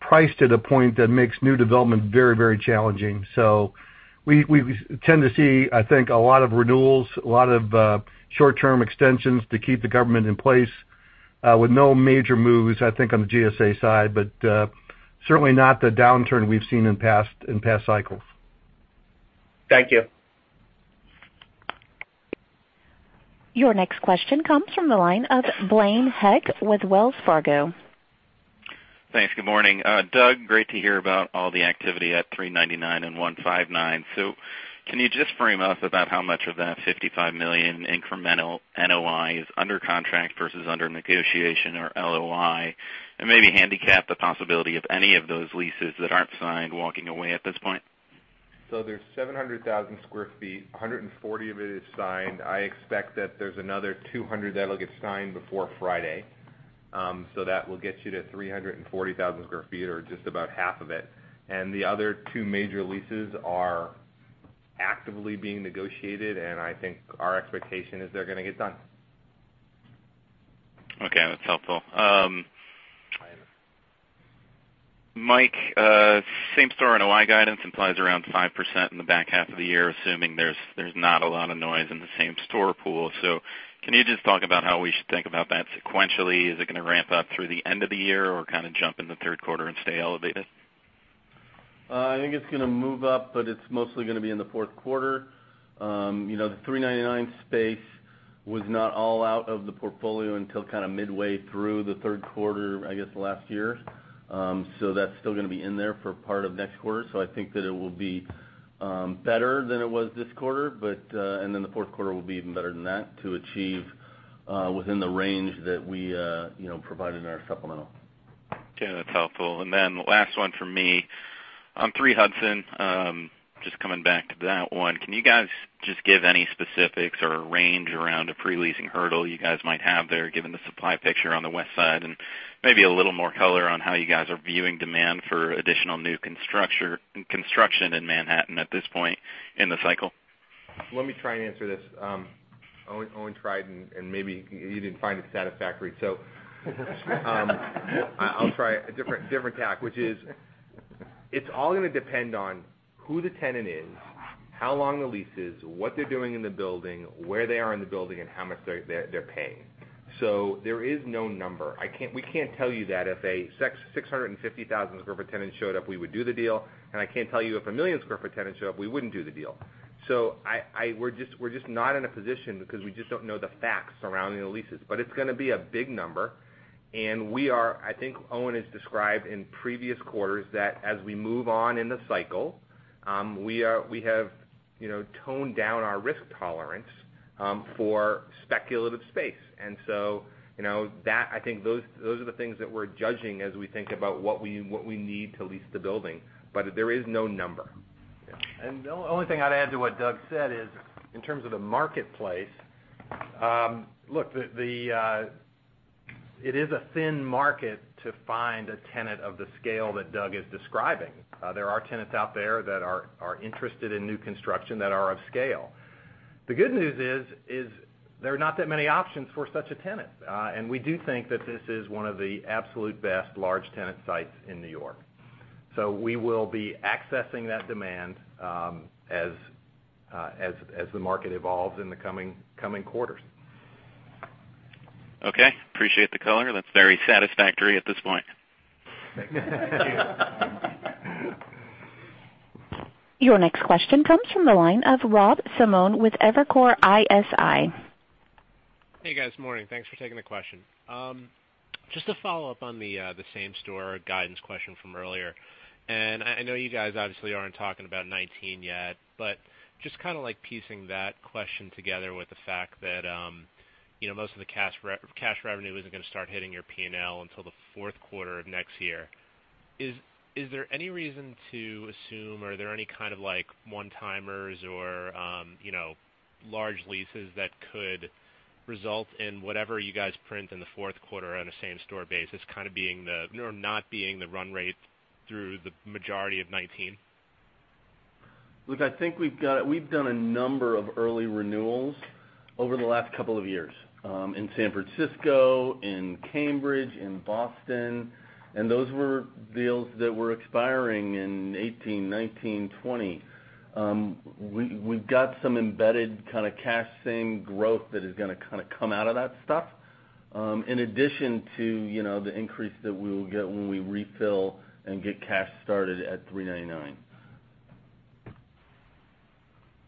priced at a point that makes new development very challenging. We tend to see, I think, a lot of renewals, a lot of short-term extensions to keep the government in place, with no major moves, I think, on the GSA side, but certainly not the downturn we've seen in past cycles. Thank you. Your next question comes from the line of Blaine Heck with Wells Fargo. Thanks. Good morning. Doug, great to hear about all the activity at 399 and 159. Can you just frame us about how much of that $55 million in incremental NOI is under contract versus under negotiation or LOI? Maybe handicap the possibility of any of those leases that aren't signed walking away at this point? There's 700,000 sq ft, 140 of it is signed. I expect that there's another 200 that'll get signed before Friday. That will get you to 340,000 sq ft or just about half of it. The other two major leases are actively being negotiated, I think our expectation is they're going to get done. Okay. That's helpful. Mike, same-store NOI guidance implies around 5% in the back half of the year, assuming there's not a lot of noise in the same-store pool. Can you just talk about how we should think about that sequentially? Is it going to ramp up through the end of the year, or kind of jump in the third quarter and stay elevated? I think it's going to move up, it's mostly going to be in the fourth quarter. The 399 space was not all out of the portfolio until kind of midway through the third quarter, I guess, last year. That's still going to be in there for part of next quarter. I think that it will be better than it was this quarter, then the fourth quarter will be even better than that to achieve within the range that we provided in our supplemental. Okay. That's helpful. Last one from me. On 3 Hudson, just coming back to that one, can you guys just give any specifics or a range around a pre-leasing hurdle you guys might have there given the supply picture on the West Side? Maybe a little more color on how you guys are viewing demand for additional new construction in Manhattan at this point in the cycle. Let me try and answer this. Owen tried and maybe he didn't find it satisfactory. I'll try a different tack, which is, it's all going to depend on who the tenant is, how long the lease is, what they're doing in the building, where they are in the building, and how much they're paying. There is no number. We can't tell you that if a 650,000-square-foot tenant showed up, we would do the deal. I can't tell you if a million-square-foot tenant showed up, we wouldn't do the deal. We're just not in a position because we just don't know the facts surrounding the leases. It's going to be a big number, and I think Owen has described in previous quarters that as we move on in the cycle, we have toned down our risk tolerance for speculative space. I think those are the things that we're judging as we think about what we need to lease the building. There is no number. The only thing I'd add to what Doug said is, in terms of the marketplace, it is a thin market to find a tenant of the scale that Doug is describing. There are tenants out there that are interested in new construction that are of scale. The good news is, there are not that many options for such a tenant. We do think that this is one of the absolute best large tenant sites in New York. We will be accessing that demand as the market evolves in the coming quarters. Okay. Appreciate the color. That's very satisfactory at this point. Thank you. Your next question comes from the line of Rob Simone with Evercore ISI. Hey, guys. Morning. Thanks for taking the question. Just to follow up on the same-store guidance question from earlier. I know you guys obviously aren't talking about 2019 yet, but just kind of piecing that question together with the fact that most of the cash revenue isn't going to start hitting your P&L until the fourth quarter of next year. Is there any reason to assume, are there any kind of one-timers or large leases that could result in whatever you guys print in the fourth quarter on a same-store basis not being the run rate through the majority of 2019? Look, I think we've done a number of early renewals over the last couple of years, in San Francisco, in Cambridge, in Boston, and those were deals that were expiring in 2018, 2019, 2020. We've got some embedded kind of cash same growth that is going to kind of come out of that stuff, in addition to the increase that we will get when we refill and get cash started at 399.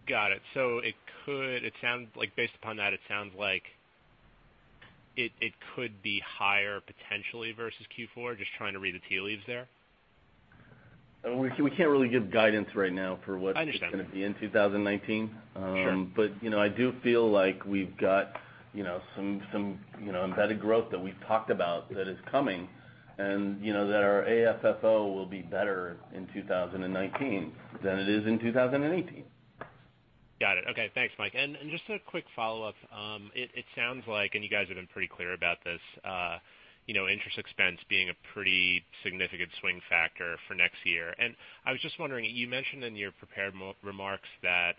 Got it. Based upon that, it sounds like it could be higher potentially versus Q4. Just trying to read the tea leaves there. We can't really give guidance right now. I understand. It's going to be in 2019. Sure. I do feel like we've got some embedded growth that we've talked about that is coming, and that our AFFO will be better in 2019 than it is in 2018. Got it. Okay. Thanks, Mike. Just a quick follow-up. It sounds like, and you guys have been pretty clear about this, interest expense being a pretty significant swing factor for next year. I was just wondering, you mentioned in your prepared remarks that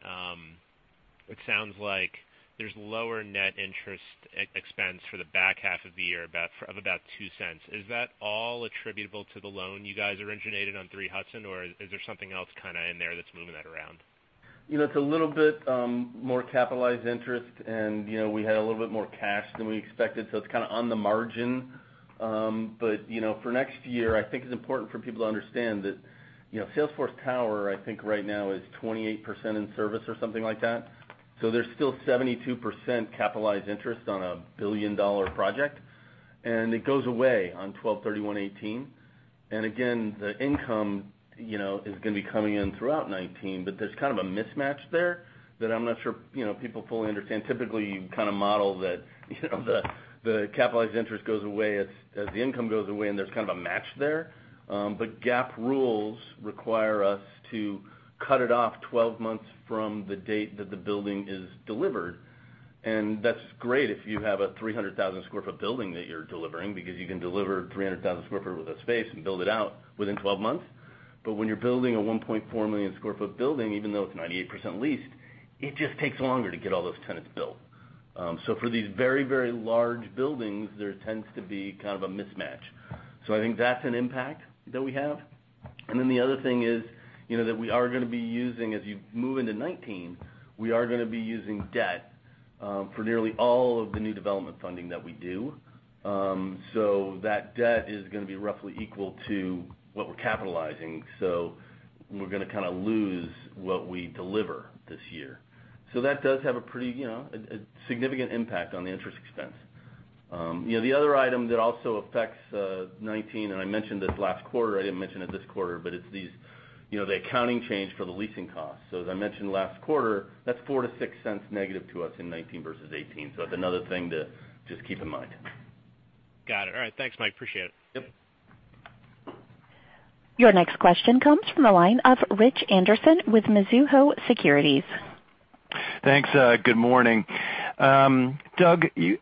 it sounds like there's lower net interest expense for the back half of the year of about $0.02. Is that all attributable to the loan you guys originated on 3 Hudson, or is there something else kind of in there that's moving that around? It's a little bit more capitalized interest. We had a little bit more cash than we expected, it's kind of on the margin. For next year, I think it's important for people to understand that Salesforce Tower, I think right now is 28% in service or something like that. There's still 72% capitalized interest on a billion-dollar project, and it goes away on 12/31/2018. Again, the income is going to be coming in throughout 2019, there's kind of a mismatch there that I'm not sure people fully understand. Typically, you kind of model that the capitalized interest goes away as the income goes away, and there's kind of a match there. GAAP rules require us to cut it off 12 months from the date that the building is delivered. That's great if you have a 300,000 sq ft building that you're delivering, because you can deliver 300,000 sq ft with a space and build it out within 12 months. When you're building a 1.4 million sq ft building, even though it's 98% leased, it just takes longer to get all those tenants built. For these very, very large buildings, there tends to be kind of a mismatch. I think that's an impact that we have. Then the other thing is that we are going to be using, as you move into 2019, we are going to be using debt for nearly all of the new development funding that we do. That debt is going to be roughly equal to what we're capitalizing. We're going to kind of lose what we deliver this year. That does have a pretty significant impact on the interest expense. The other item that also affects 2019, I mentioned this last quarter, I didn't mention it this quarter, it's the accounting change for the leasing costs. As I mentioned last quarter, that's $0.04-$0.06 negative to us in 2019 versus 2018. It's another thing to just keep in mind. Got it. All right. Thanks, Mike. Appreciate it. Yep. Your next question comes from the line of Richard Anderson with Mizuho Securities. Thanks. Good morning. Doug, you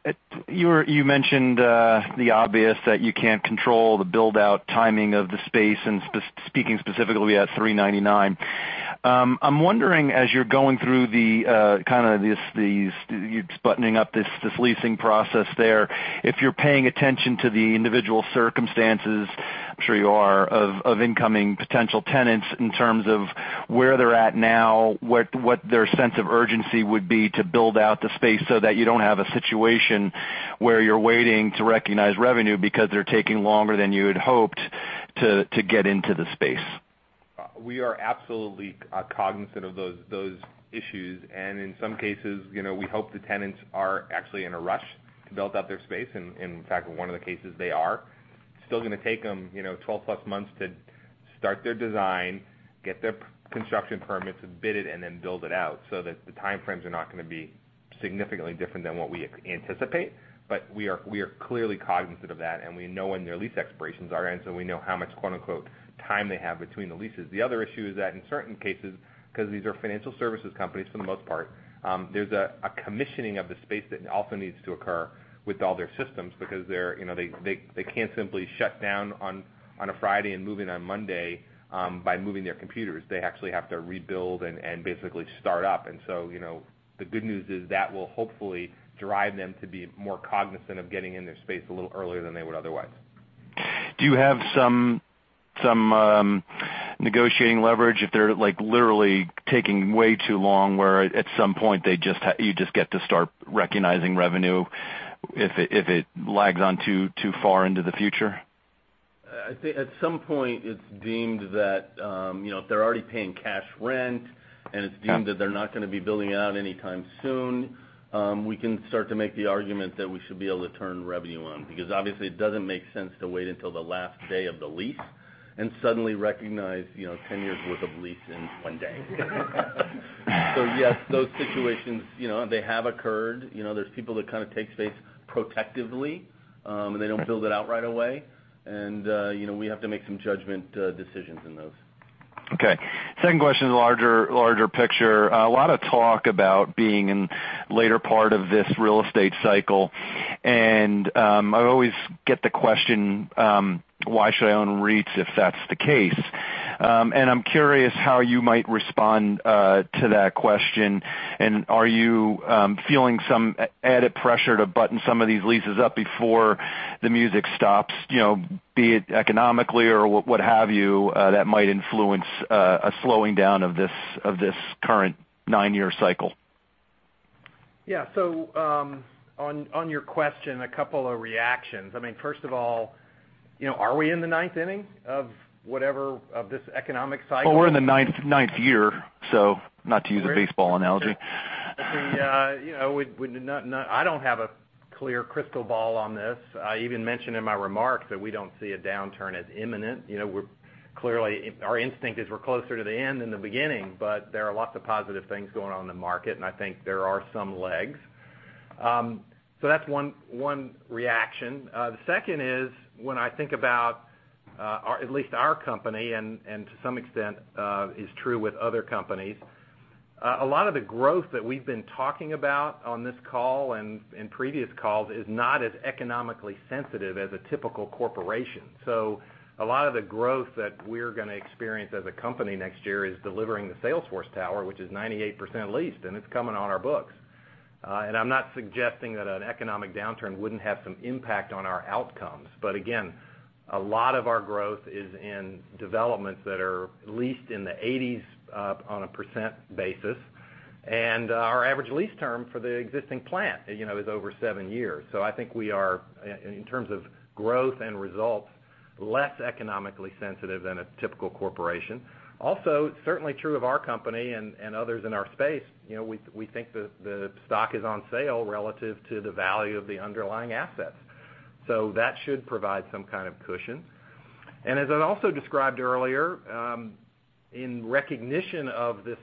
mentioned the obvious that you can't control the build-out timing of the space, speaking specifically at 399. I'm wondering, as you're going through buttoning up this leasing process there, if you're paying attention to the individual circumstances, I'm sure you are, of incoming potential tenants in terms of where they're at now, what their sense of urgency would be to build out the space so that you don't have a situation where you're waiting to recognize revenue because they're taking longer than you had hoped to get into the space. We are absolutely cognizant of those issues, in some cases, we hope the tenants are actually in a rush to build out their space. In fact, in one of the cases, they are. Going to take them 12 plus months to start their design, get their construction permits, bid it, then build it out, the time frames are not going to be significantly different than what we anticipate. We are clearly cognizant of that, we know when their lease expirations are end, we know how much, quote unquote, time they have between the leases. The other issue is that in certain cases, because these are financial services companies, for the most part, there's a commissioning of the space that also needs to occur with all their systems because they can't simply shut down on a Friday and move in on Monday by moving their computers. They actually have to rebuild and basically start up. The good news is that will hopefully drive them to be more cognizant of getting in their space a little earlier than they would otherwise. Some negotiating leverage if they're literally taking way too long, where at some point you just get to start recognizing revenue if it lags on too far into the future? I think at some point it's deemed that, if they're already paying cash rent and it's deemed that they're not going to be building out anytime soon, we can start to make the argument that we should be able to turn revenue on. Obviously it doesn't make sense to wait until the last day of the lease and suddenly recognize 10 years' worth of lease in one day. Yes, those situations, they have occurred. There's people that kind of take space protectively, and they don't build it out right away. We have to make some judgment decisions in those. Okay. Second question is larger picture. A lot of talk about being in later part of this real estate cycle. I always get the question, why should I own REITs if that's the case? I'm curious how you might respond to that question. Are you feeling some added pressure to button some of these leases up before the music stops, be it economically or what have you, that might influence a slowing down of this current nine-year cycle? Yeah. On your question, a couple of reactions. First of all, are we in the ninth inning of this economic cycle? Well, we're in the ninth year, so not to use a baseball analogy. I don't have a clear crystal ball on this. I even mentioned in my remarks that we don't see a downturn as imminent. Clearly, our instinct is we're closer to the end than the beginning, but there are lots of positive things going on in the market, and I think there are some legs. That's one reaction. The second is, when I think about at least our company and to some extent is true with other companies, a lot of the growth that we've been talking about on this call and in previous calls is not as economically sensitive as a typical corporation. A lot of the growth that we're going to experience as a company next year is delivering the Salesforce Tower, which is 98% leased, and it's coming on our books. I'm not suggesting that an economic downturn wouldn't have some impact on our outcomes, but again, a lot of our growth is in developments that are leased in the 80s on a percent basis. Our average lease term for the existing plan is over seven years. I think we are, in terms of growth and results, less economically sensitive than a typical corporation. Also, certainly true of our company and others in our space. We think the stock is on sale relative to the value of the underlying assets. That should provide some kind of cushion. As I also described earlier, in recognition of this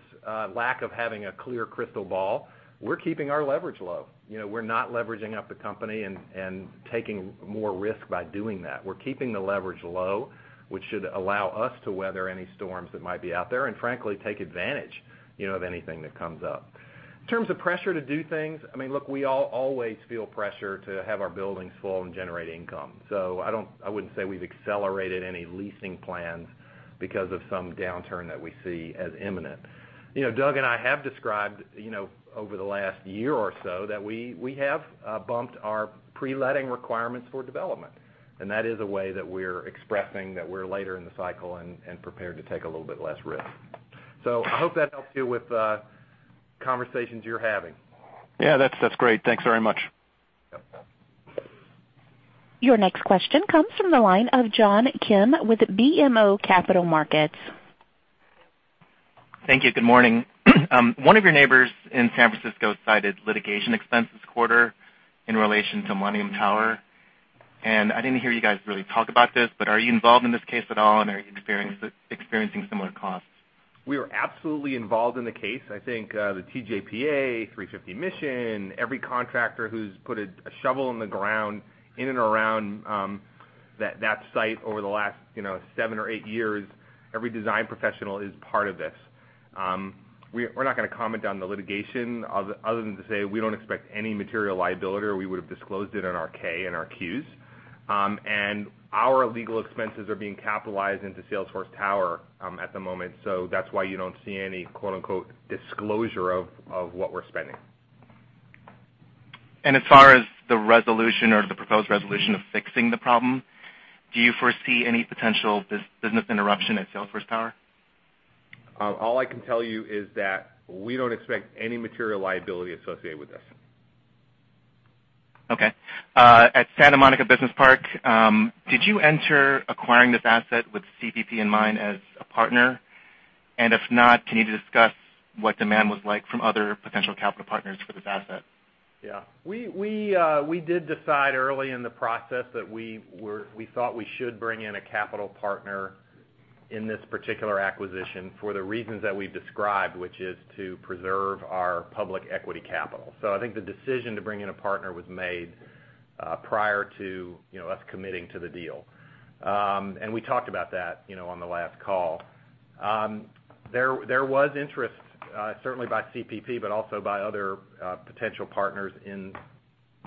lack of having a clear crystal ball, we're keeping our leverage low. We're not leveraging up the company and taking more risk by doing that. We're keeping the leverage low, which should allow us to weather any storms that might be out there and frankly, take advantage of anything that comes up. In terms of pressure to do things, look, we all always feel pressure to have our buildings full and generate income. I wouldn't say we've accelerated any leasing plans because of some downturn that we see as imminent. Doug and I have described over the last year or so that we have bumped our pre-letting requirements for development. That is a way that we're expressing that we're later in the cycle and prepared to take a little bit less risk. I hope that helps you with the conversations you're having. Yeah, that's great. Thanks very much. Yep. Your next question comes from the line of John Kim with BMO Capital Markets. Thank you. Good morning. One of your neighbors in San Francisco cited litigation expense this quarter in relation to Millennium Tower. I didn't hear you guys really talk about this, but are you involved in this case at all, and are you experiencing similar costs? We are absolutely involved in the case. I think, the TJPA, 350 Mission, every contractor who's put a shovel in the ground in and around that site over the last seven or eight years, every design professional is part of this. We're not going to comment on the litigation other than to say we don't expect any material liability, or we would've disclosed it in our K and our Qs. Our legal expenses are being capitalized into Salesforce Tower, at the moment, so that's why you don't see any "disclosure" of what we're spending. As far as the resolution or the proposed resolution of fixing the problem, do you foresee any potential business interruption at Salesforce Tower? All I can tell you is that we don't expect any material liability associated with this. At Santa Monica Business Park, did you enter acquiring this asset with CPP in mind as a partner? If not, can you discuss what demand was like from other potential capital partners for this asset? We did decide early in the process that we thought we should bring in a capital partner in this particular acquisition for the reasons that we've described, which is to preserve our public equity capital. I think the decision to bring in a partner was made prior to us committing to the deal. We talked about that on the last call. There was interest, certainly by CPP, but also by other potential partners in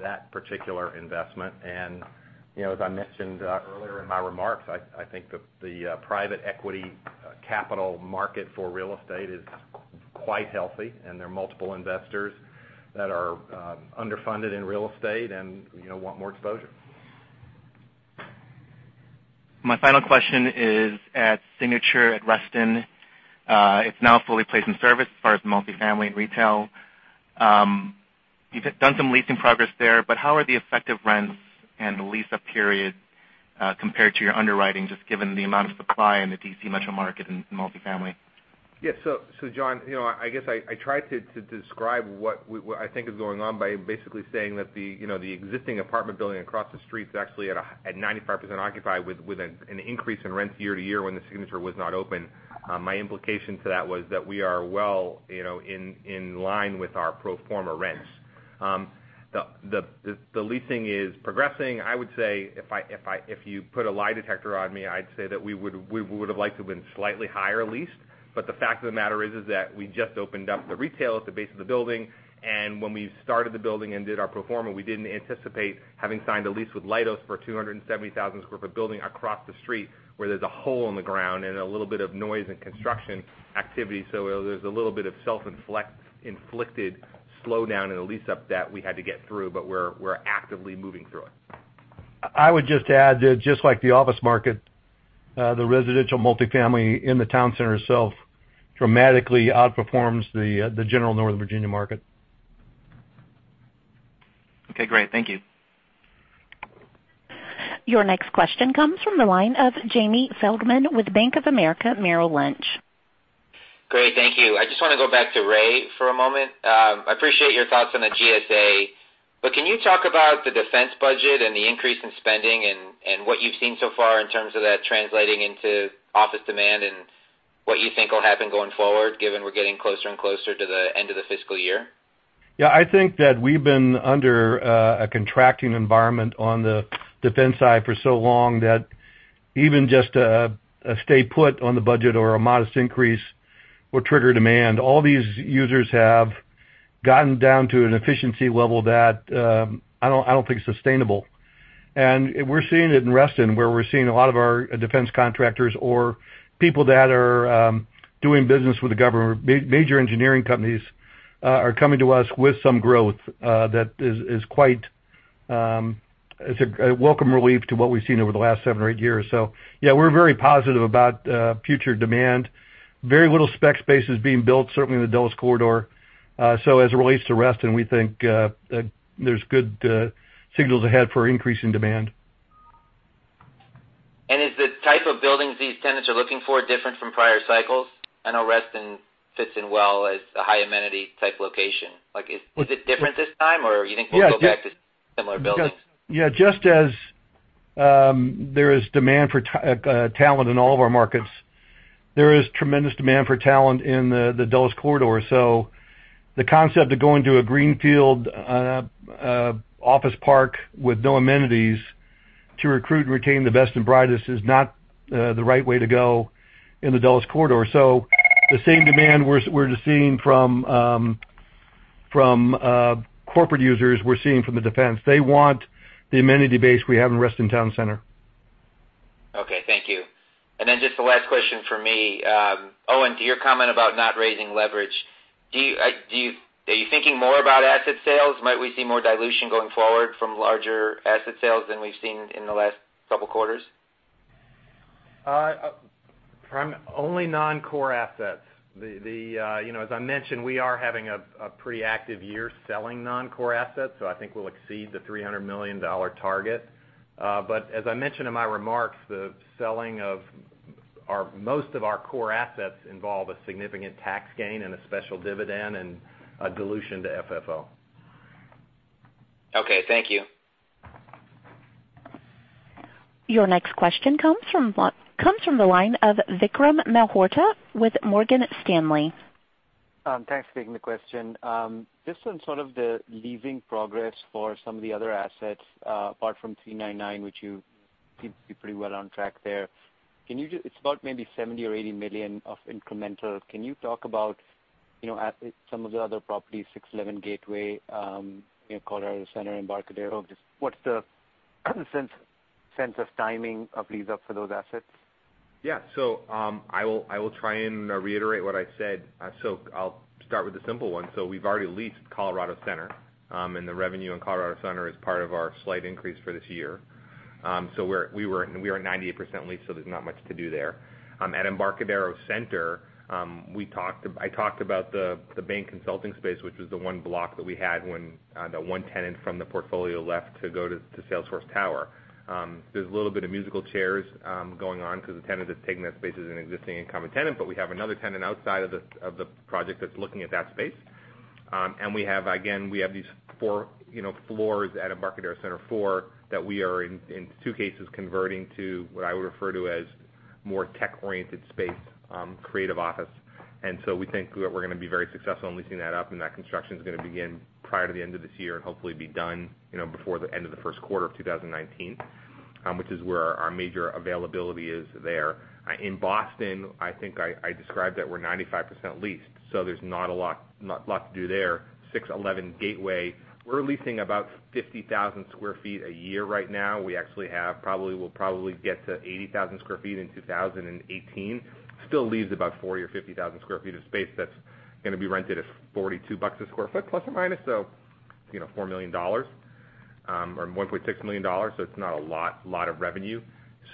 that particular investment. As I mentioned earlier in my remarks, I think the private equity capital market for real estate is Quite healthy, there are multiple investors that are underfunded in real estate and want more exposure. My final question is at Signature at Reston. It's now fully placed in service as far as multi-family and retail. You've done some leasing progress there, how are the effective rents and the lease-up period compared to your underwriting, just given the amount of supply in the D.C. metro market and multi-family? Yes. John, I guess I tried to describe what I think is going on by basically saying that the existing apartment building across the street is actually at 95% occupied with an increase in rents year to year when the Signature was not open. My implication to that was that we are well in line with our pro forma rents. The leasing is progressing. I would say, if you put a lie detector on me, I'd say that we would've liked to have been slightly higher leased. The fact of the matter is that we just opened up the retail at the base of the building, and when we started the building and did our pro forma, we didn't anticipate having signed a lease with Leidos for 270,000 sq ft building across the street where there's a hole in the ground and a little bit of noise and construction activity. There's a little bit of self-inflicted slowdown in the lease-up that we had to get through, but we're actively moving through it. I would just add that just like the office market, the residential multifamily in the town center itself dramatically outperforms the general Northern Virginia market. Okay, great. Thank you. Your next question comes from the line of Jamie Feldman with Bank of America Merrill Lynch. Great. Thank you. I just want to go back to Ray for a moment. I appreciate your thoughts on the GSA, but can you talk about the defense budget and the increase in spending and what you've seen so far in terms of that translating into office demand and what you think will happen going forward, given we're getting closer and closer to the end of the fiscal year? I think that we've been under a contracting environment on the defense side for so long that even just a stay-put on the budget or a modest increase will trigger demand. All these users have gotten down to an efficiency level that I don't think is sustainable. We're seeing it in Reston, where we're seeing a lot of our defense contractors or people that are doing business with the government, major engineering companies are coming to us with some growth, that is a welcome relief to what we've seen over the last seven or eight years. We're very positive about future demand. Very little spec space is being built, certainly in the Dulles Corridor. As it relates to Reston, we think there's good signals ahead for increase in demand. Is the type of buildings these tenants are looking for different from prior cycles? I know Reston fits in well as a high-amenity-type location. Is it different this time, or you think we'll go back to similar buildings? Just as there is demand for talent in all of our markets, there is tremendous demand for talent in the Dulles Corridor. The concept of going to a greenfield office park with no amenities to recruit and retain the best and brightest is not the right way to go in the Dulles Corridor. The same demand we're just seeing from corporate users, we're seeing from the defense. They want the amenity base we have in Reston Town Center. Okay, thank you. Just the last question from me. Owen, to your comment about not raising leverage, are you thinking more about asset sales? Might we see more dilution going forward from larger asset sales than we've seen in the last couple quarters? Only non-core assets. As I mentioned, we are having a pretty active year selling non-core assets. I think we'll exceed the $300 million target. As I mentioned in my remarks, the selling of most of our core assets involve a significant tax gain and a special dividend and a dilution to FFO. Okay, thank you. Your next question comes from the line of Vikram Malhotra with Morgan Stanley. Thanks for taking the question. Just on sort of the leasing progress for some of the other assets apart from 399, which you seem to be pretty well on track there. It's about maybe $70 million or $80 million of incremental. Can you talk about some of the other properties, 611 Gateway, Colorado Center, Embarcadero? Just what's the sense of timing of lease-up for those assets? I will try and reiterate what I said. I'll start with the simple one. We've already leased Colorado Center, and the revenue in Colorado Center is part of our slight increase for this year. We are at 98% leased, so there's not much to do there. At Embarcadero Center, I talked about the bank consulting space, which was the one block that we had when the one tenant from the portfolio left to go to Salesforce Tower. There's a little bit of musical chairs going on because the tenant that's taking that space is an existing incumbent tenant, but we have another tenant outside of the project that's looking at that space. We have, again, we have these four floors at Embarcadero Center, four that we are in two cases converting to what I would refer to as more tech-oriented space, creative office. We think we're gonna be very successful in leasing that up, and that construction's gonna begin prior to the end of this year and hopefully be done before the end of the first quarter of 2019, which is where our major availability is there. In Boston, I think I described that we're 95% leased, so there's not a lot to do there. 611 Gateway, we're leasing about 50,000 square feet a year right now. We actually will probably get to 80,000 square feet in 2018. Still leaves about 40,000 or 50,000 square feet of space that's gonna be rented at $42 a square foot, plus or minus, so $4 million. $1.6 million, so it's not a lot of revenue.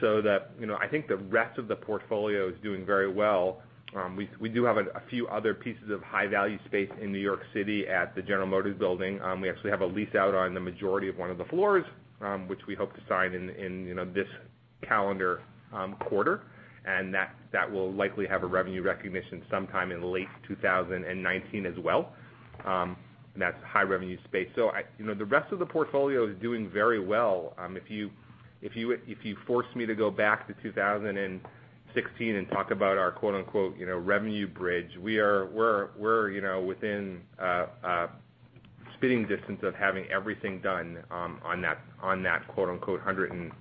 I think the rest of the portfolio is doing very well. We do have a few other pieces of high-value space in New York City at the General Motors building. We actually have a lease out on the majority of one of the floors, which we hope to sign in this calendar quarter. That will likely have a revenue recognition sometime in late 2019 as well. That's high-revenue space. The rest of the portfolio is doing very well. If you force me to go back to 2016 and talk about our "revenue bridge," we're within spitting distance of having everything done on that "$160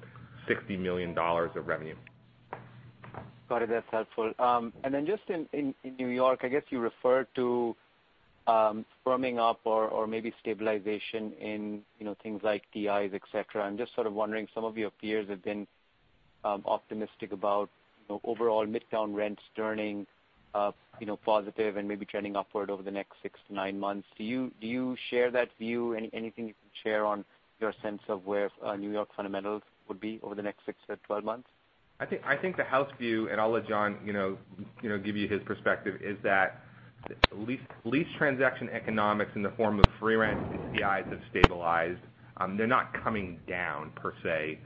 million" of revenue. Got it. That's helpful. Just in New York, I guess you referred to firming up or maybe stabilization in things like TIs, et cetera. I'm just sort of wondering, some of your peers have been optimistic about overall Midtown rents turning positive and maybe trending upward over the next six to nine months. Do you share that view? Anything you can share on your sense of where New York fundamentals would be over the next 6 to 12 months? I think the house view, and I'll let John give you his perspective, is that lease transaction economics in the form of free rent and TIs have stabilized. They're not coming down per se.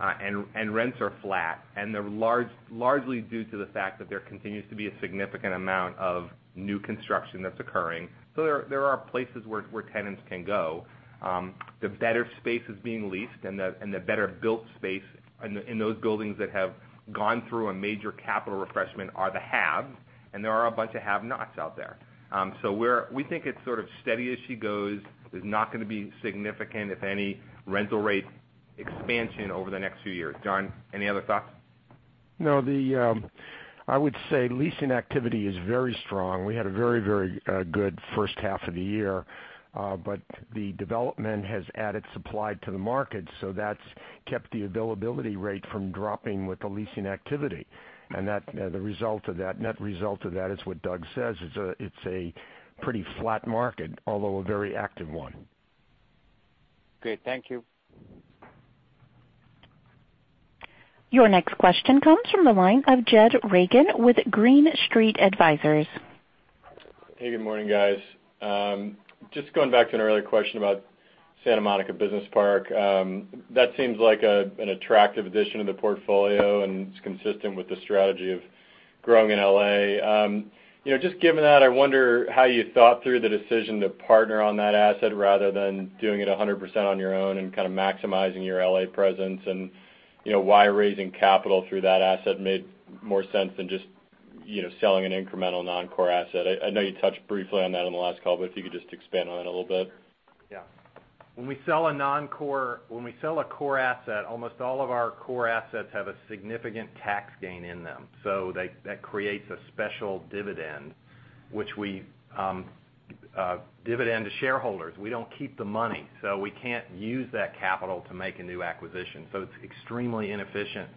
Rents are flat, and they're largely due to the fact that there continues to be a significant amount of new construction that's occurring. There are places where tenants can go. The better space is being leased and the better-built space in those buildings that have gone through a major capital refreshment are the haves, and there are a bunch of have-nots out there. We think it's sort of steady as she goes. There's not going to be significant, if any, rental rate expansion over the next few years. John, any other thoughts? No, I would say leasing activity is very strong. We had a very good first half of the year. The development has added supply to the market, so that's kept the availability rate from dropping with the leasing activity. The net result of that is what Doug says. It's a pretty flat market, although a very active one. Great. Thank you. Your next question comes from the line of Jed Reagan with Green Street Advisors. Hey, good morning, guys. Just going back to an earlier question about Santa Monica Business Park. That seems like an attractive addition to the portfolio, and it's consistent with the strategy of growing in L.A. Just given that, I wonder how you thought through the decision to partner on that asset rather than doing it 100% on your own and kind of maximizing your L.A. presence. Why raising capital through that asset made more sense than just selling an incremental non-core asset. I know you touched briefly on that on the last call, but if you could just expand on it a little bit. Yeah. When we sell a core asset, almost all of our core assets have a significant tax gain in them. That creates a special dividend, which we dividend to shareholders. We don't keep the money, so we can't use that capital to make a new acquisition. It's extremely inefficient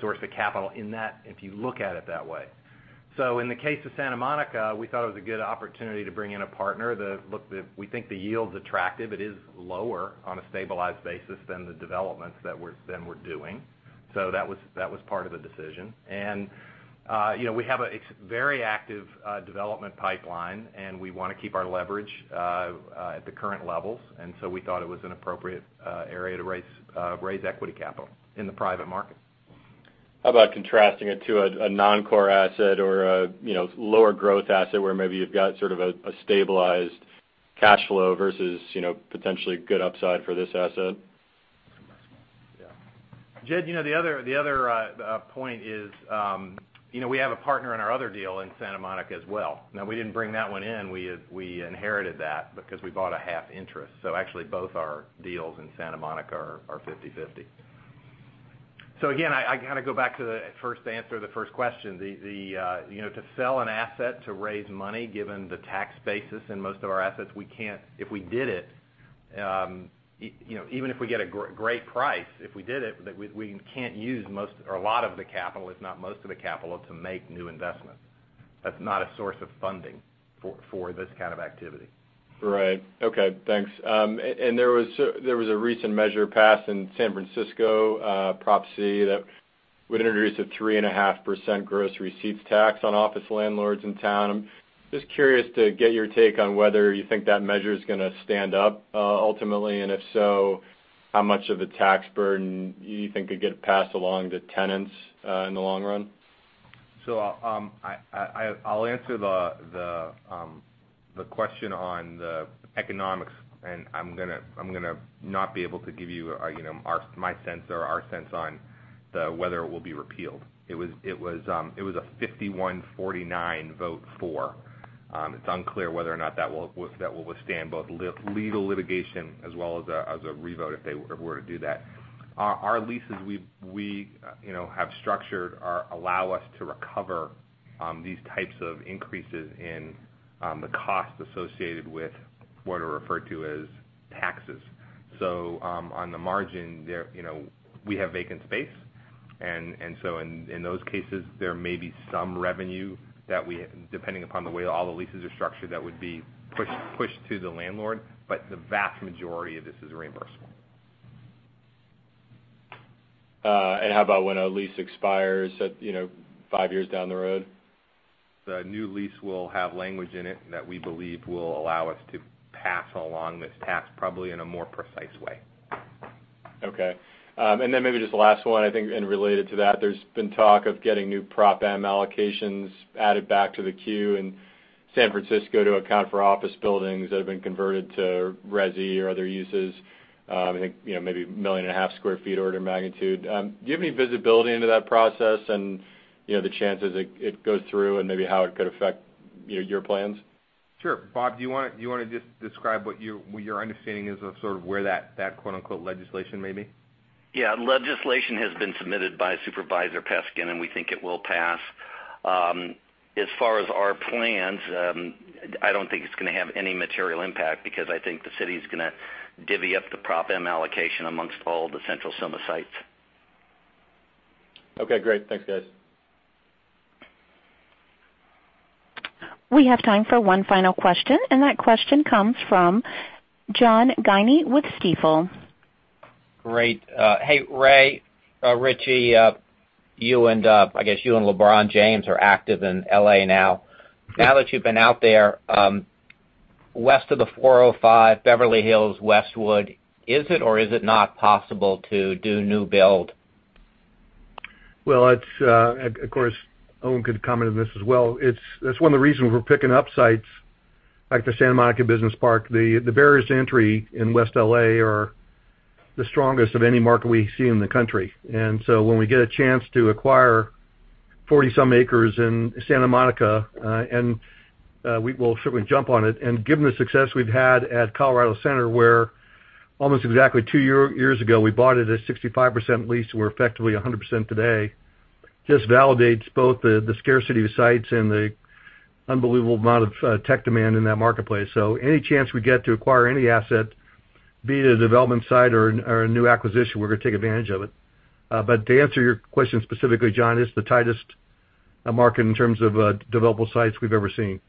source of capital in that if you look at it that way. In the case of Santa Monica, we thought it was a good opportunity to bring in a partner. We think the yield's attractive. It is lower on a stabilized basis than the developments that we're doing. That was part of the decision. We have a very active development pipeline, and we want to keep our leverage at the current levels. We thought it was an appropriate area to raise equity capital in the private market. How about contrasting it to a non-core asset or a lower growth asset where maybe you've got sort of a stabilized cash flow versus potentially good upside for this asset? Jed, the other point is we have a partner in our other deal in Santa Monica as well. We didn't bring that one in. We inherited that because we bought a half interest. Actually, both our deals in Santa Monica are 50/50. Again, I kind of go back to the first answer to the first question. To sell an asset to raise money, given the tax basis in most of our assets, if we did it, even if we get a great price, if we did it, we can't use most or a lot of the capital, if not most of the capital, to make new investments. That's not a source of funding for this kind of activity. Right. Okay, thanks. There was a recent measure passed in San Francisco, Proposition C, that would introduce a 3.5% gross receipts tax on office landlords in town. I'm just curious to get your take on whether you think that measure is going to stand up ultimately, and if so, how much of a tax burden you think could get passed along to tenants in the long run? I'll answer the question on the economics, I'm going to not be able to give you my sense or our sense on whether it will be repealed. It was a 51/49 vote for. It's unclear whether or not that will withstand both legal litigation as well as a revote if they were to do that. Our leases we have structured allow us to recover these types of increases in the cost associated with what are referred to as taxes. On the margin, we have vacant space. In those cases, there may be some revenue that we, depending upon the way all the leases are structured, that would be pushed to the landlord. The vast majority of this is reimbursable. How about when a lease expires five years down the road? The new lease will have language in it that we believe will allow us to pass along this tax, probably in a more precise way. Maybe just the last one, I think, related to that, there's been talk of getting new Proposition M allocations added back to the queue in San Francisco to account for office buildings that have been converted to resi or other uses. I think, maybe a million and a half sq ft order of magnitude. Do you have any visibility into that process and the chances it goes through and maybe how it could affect your plans? Sure. Bob, do you want to just describe what your understanding is of sort of where that quote, unquote, "legislation" may be? Yeah. Legislation has been submitted by Aaron Peskin. We think it will pass. As far as our plans, I don't think it's going to have any material impact because I think the city's going to divvy up the Proposition M allocation amongst all the Central SoMa sites. Okay, great. Thanks, guys. We have time for one final question. That question comes from John Guiney with Stifel. Great. Hey, Ray Ritchey, I guess you and LeBron James are active in L.A. now. Now that you've been out there, west of the 405, Beverly Hills, Westwood, is it or is it not possible to do new build? Of course, Owen could comment on this as well. It's one of the reasons we're picking up sites like the Santa Monica Business Park. The barriers to entry in West L.A. are the strongest of any market we see in the country. When we get a chance to acquire 40-some acres in Santa Monica, we will certainly jump on it. Given the success we've had at Colorado Center, where almost exactly two years ago, we bought it at a 65% lease, we're effectively 100% today. Just validates both the scarcity of sites and the unbelievable amount of tech demand in that marketplace. Any chance we get to acquire any asset, be it a development site or a new acquisition, we're going to take advantage of it. To answer your question specifically, John, it's the tightest market in terms of developable sites we've ever seen.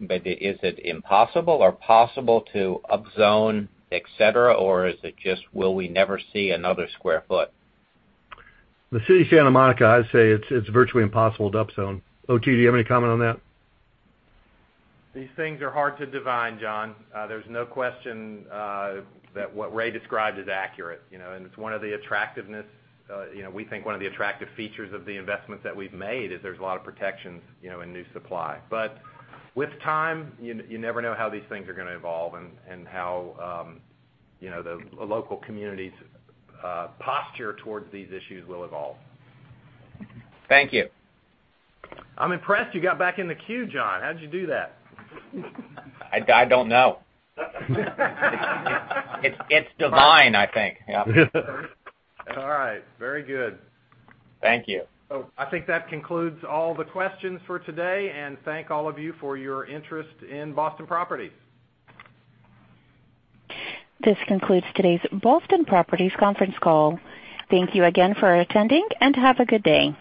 Is it impossible or possible to up zone, et cetera, or is it just, will we never see another square foot? The city of Santa Monica, I'd say it's virtually impossible to up zone. OT, do you have any comment on that? These things are hard to divine, John. There's no question that what Ray described is accurate. It's one of the attractive features of the investments that we've made is there's a lot of protections in new supply. With time, you never know how these things are going to evolve and how the local community's posture towards these issues will evolve. Thank you. I'm impressed you got back in the queue, John. How'd you do that? I don't know. It's divine, I think. Yeah. All right. Very good. Thank you. I think that concludes all the questions for today. Thank all of you for your interest in Boston Properties. This concludes today's Boston Properties conference call. Thank you again for attending and have a good day.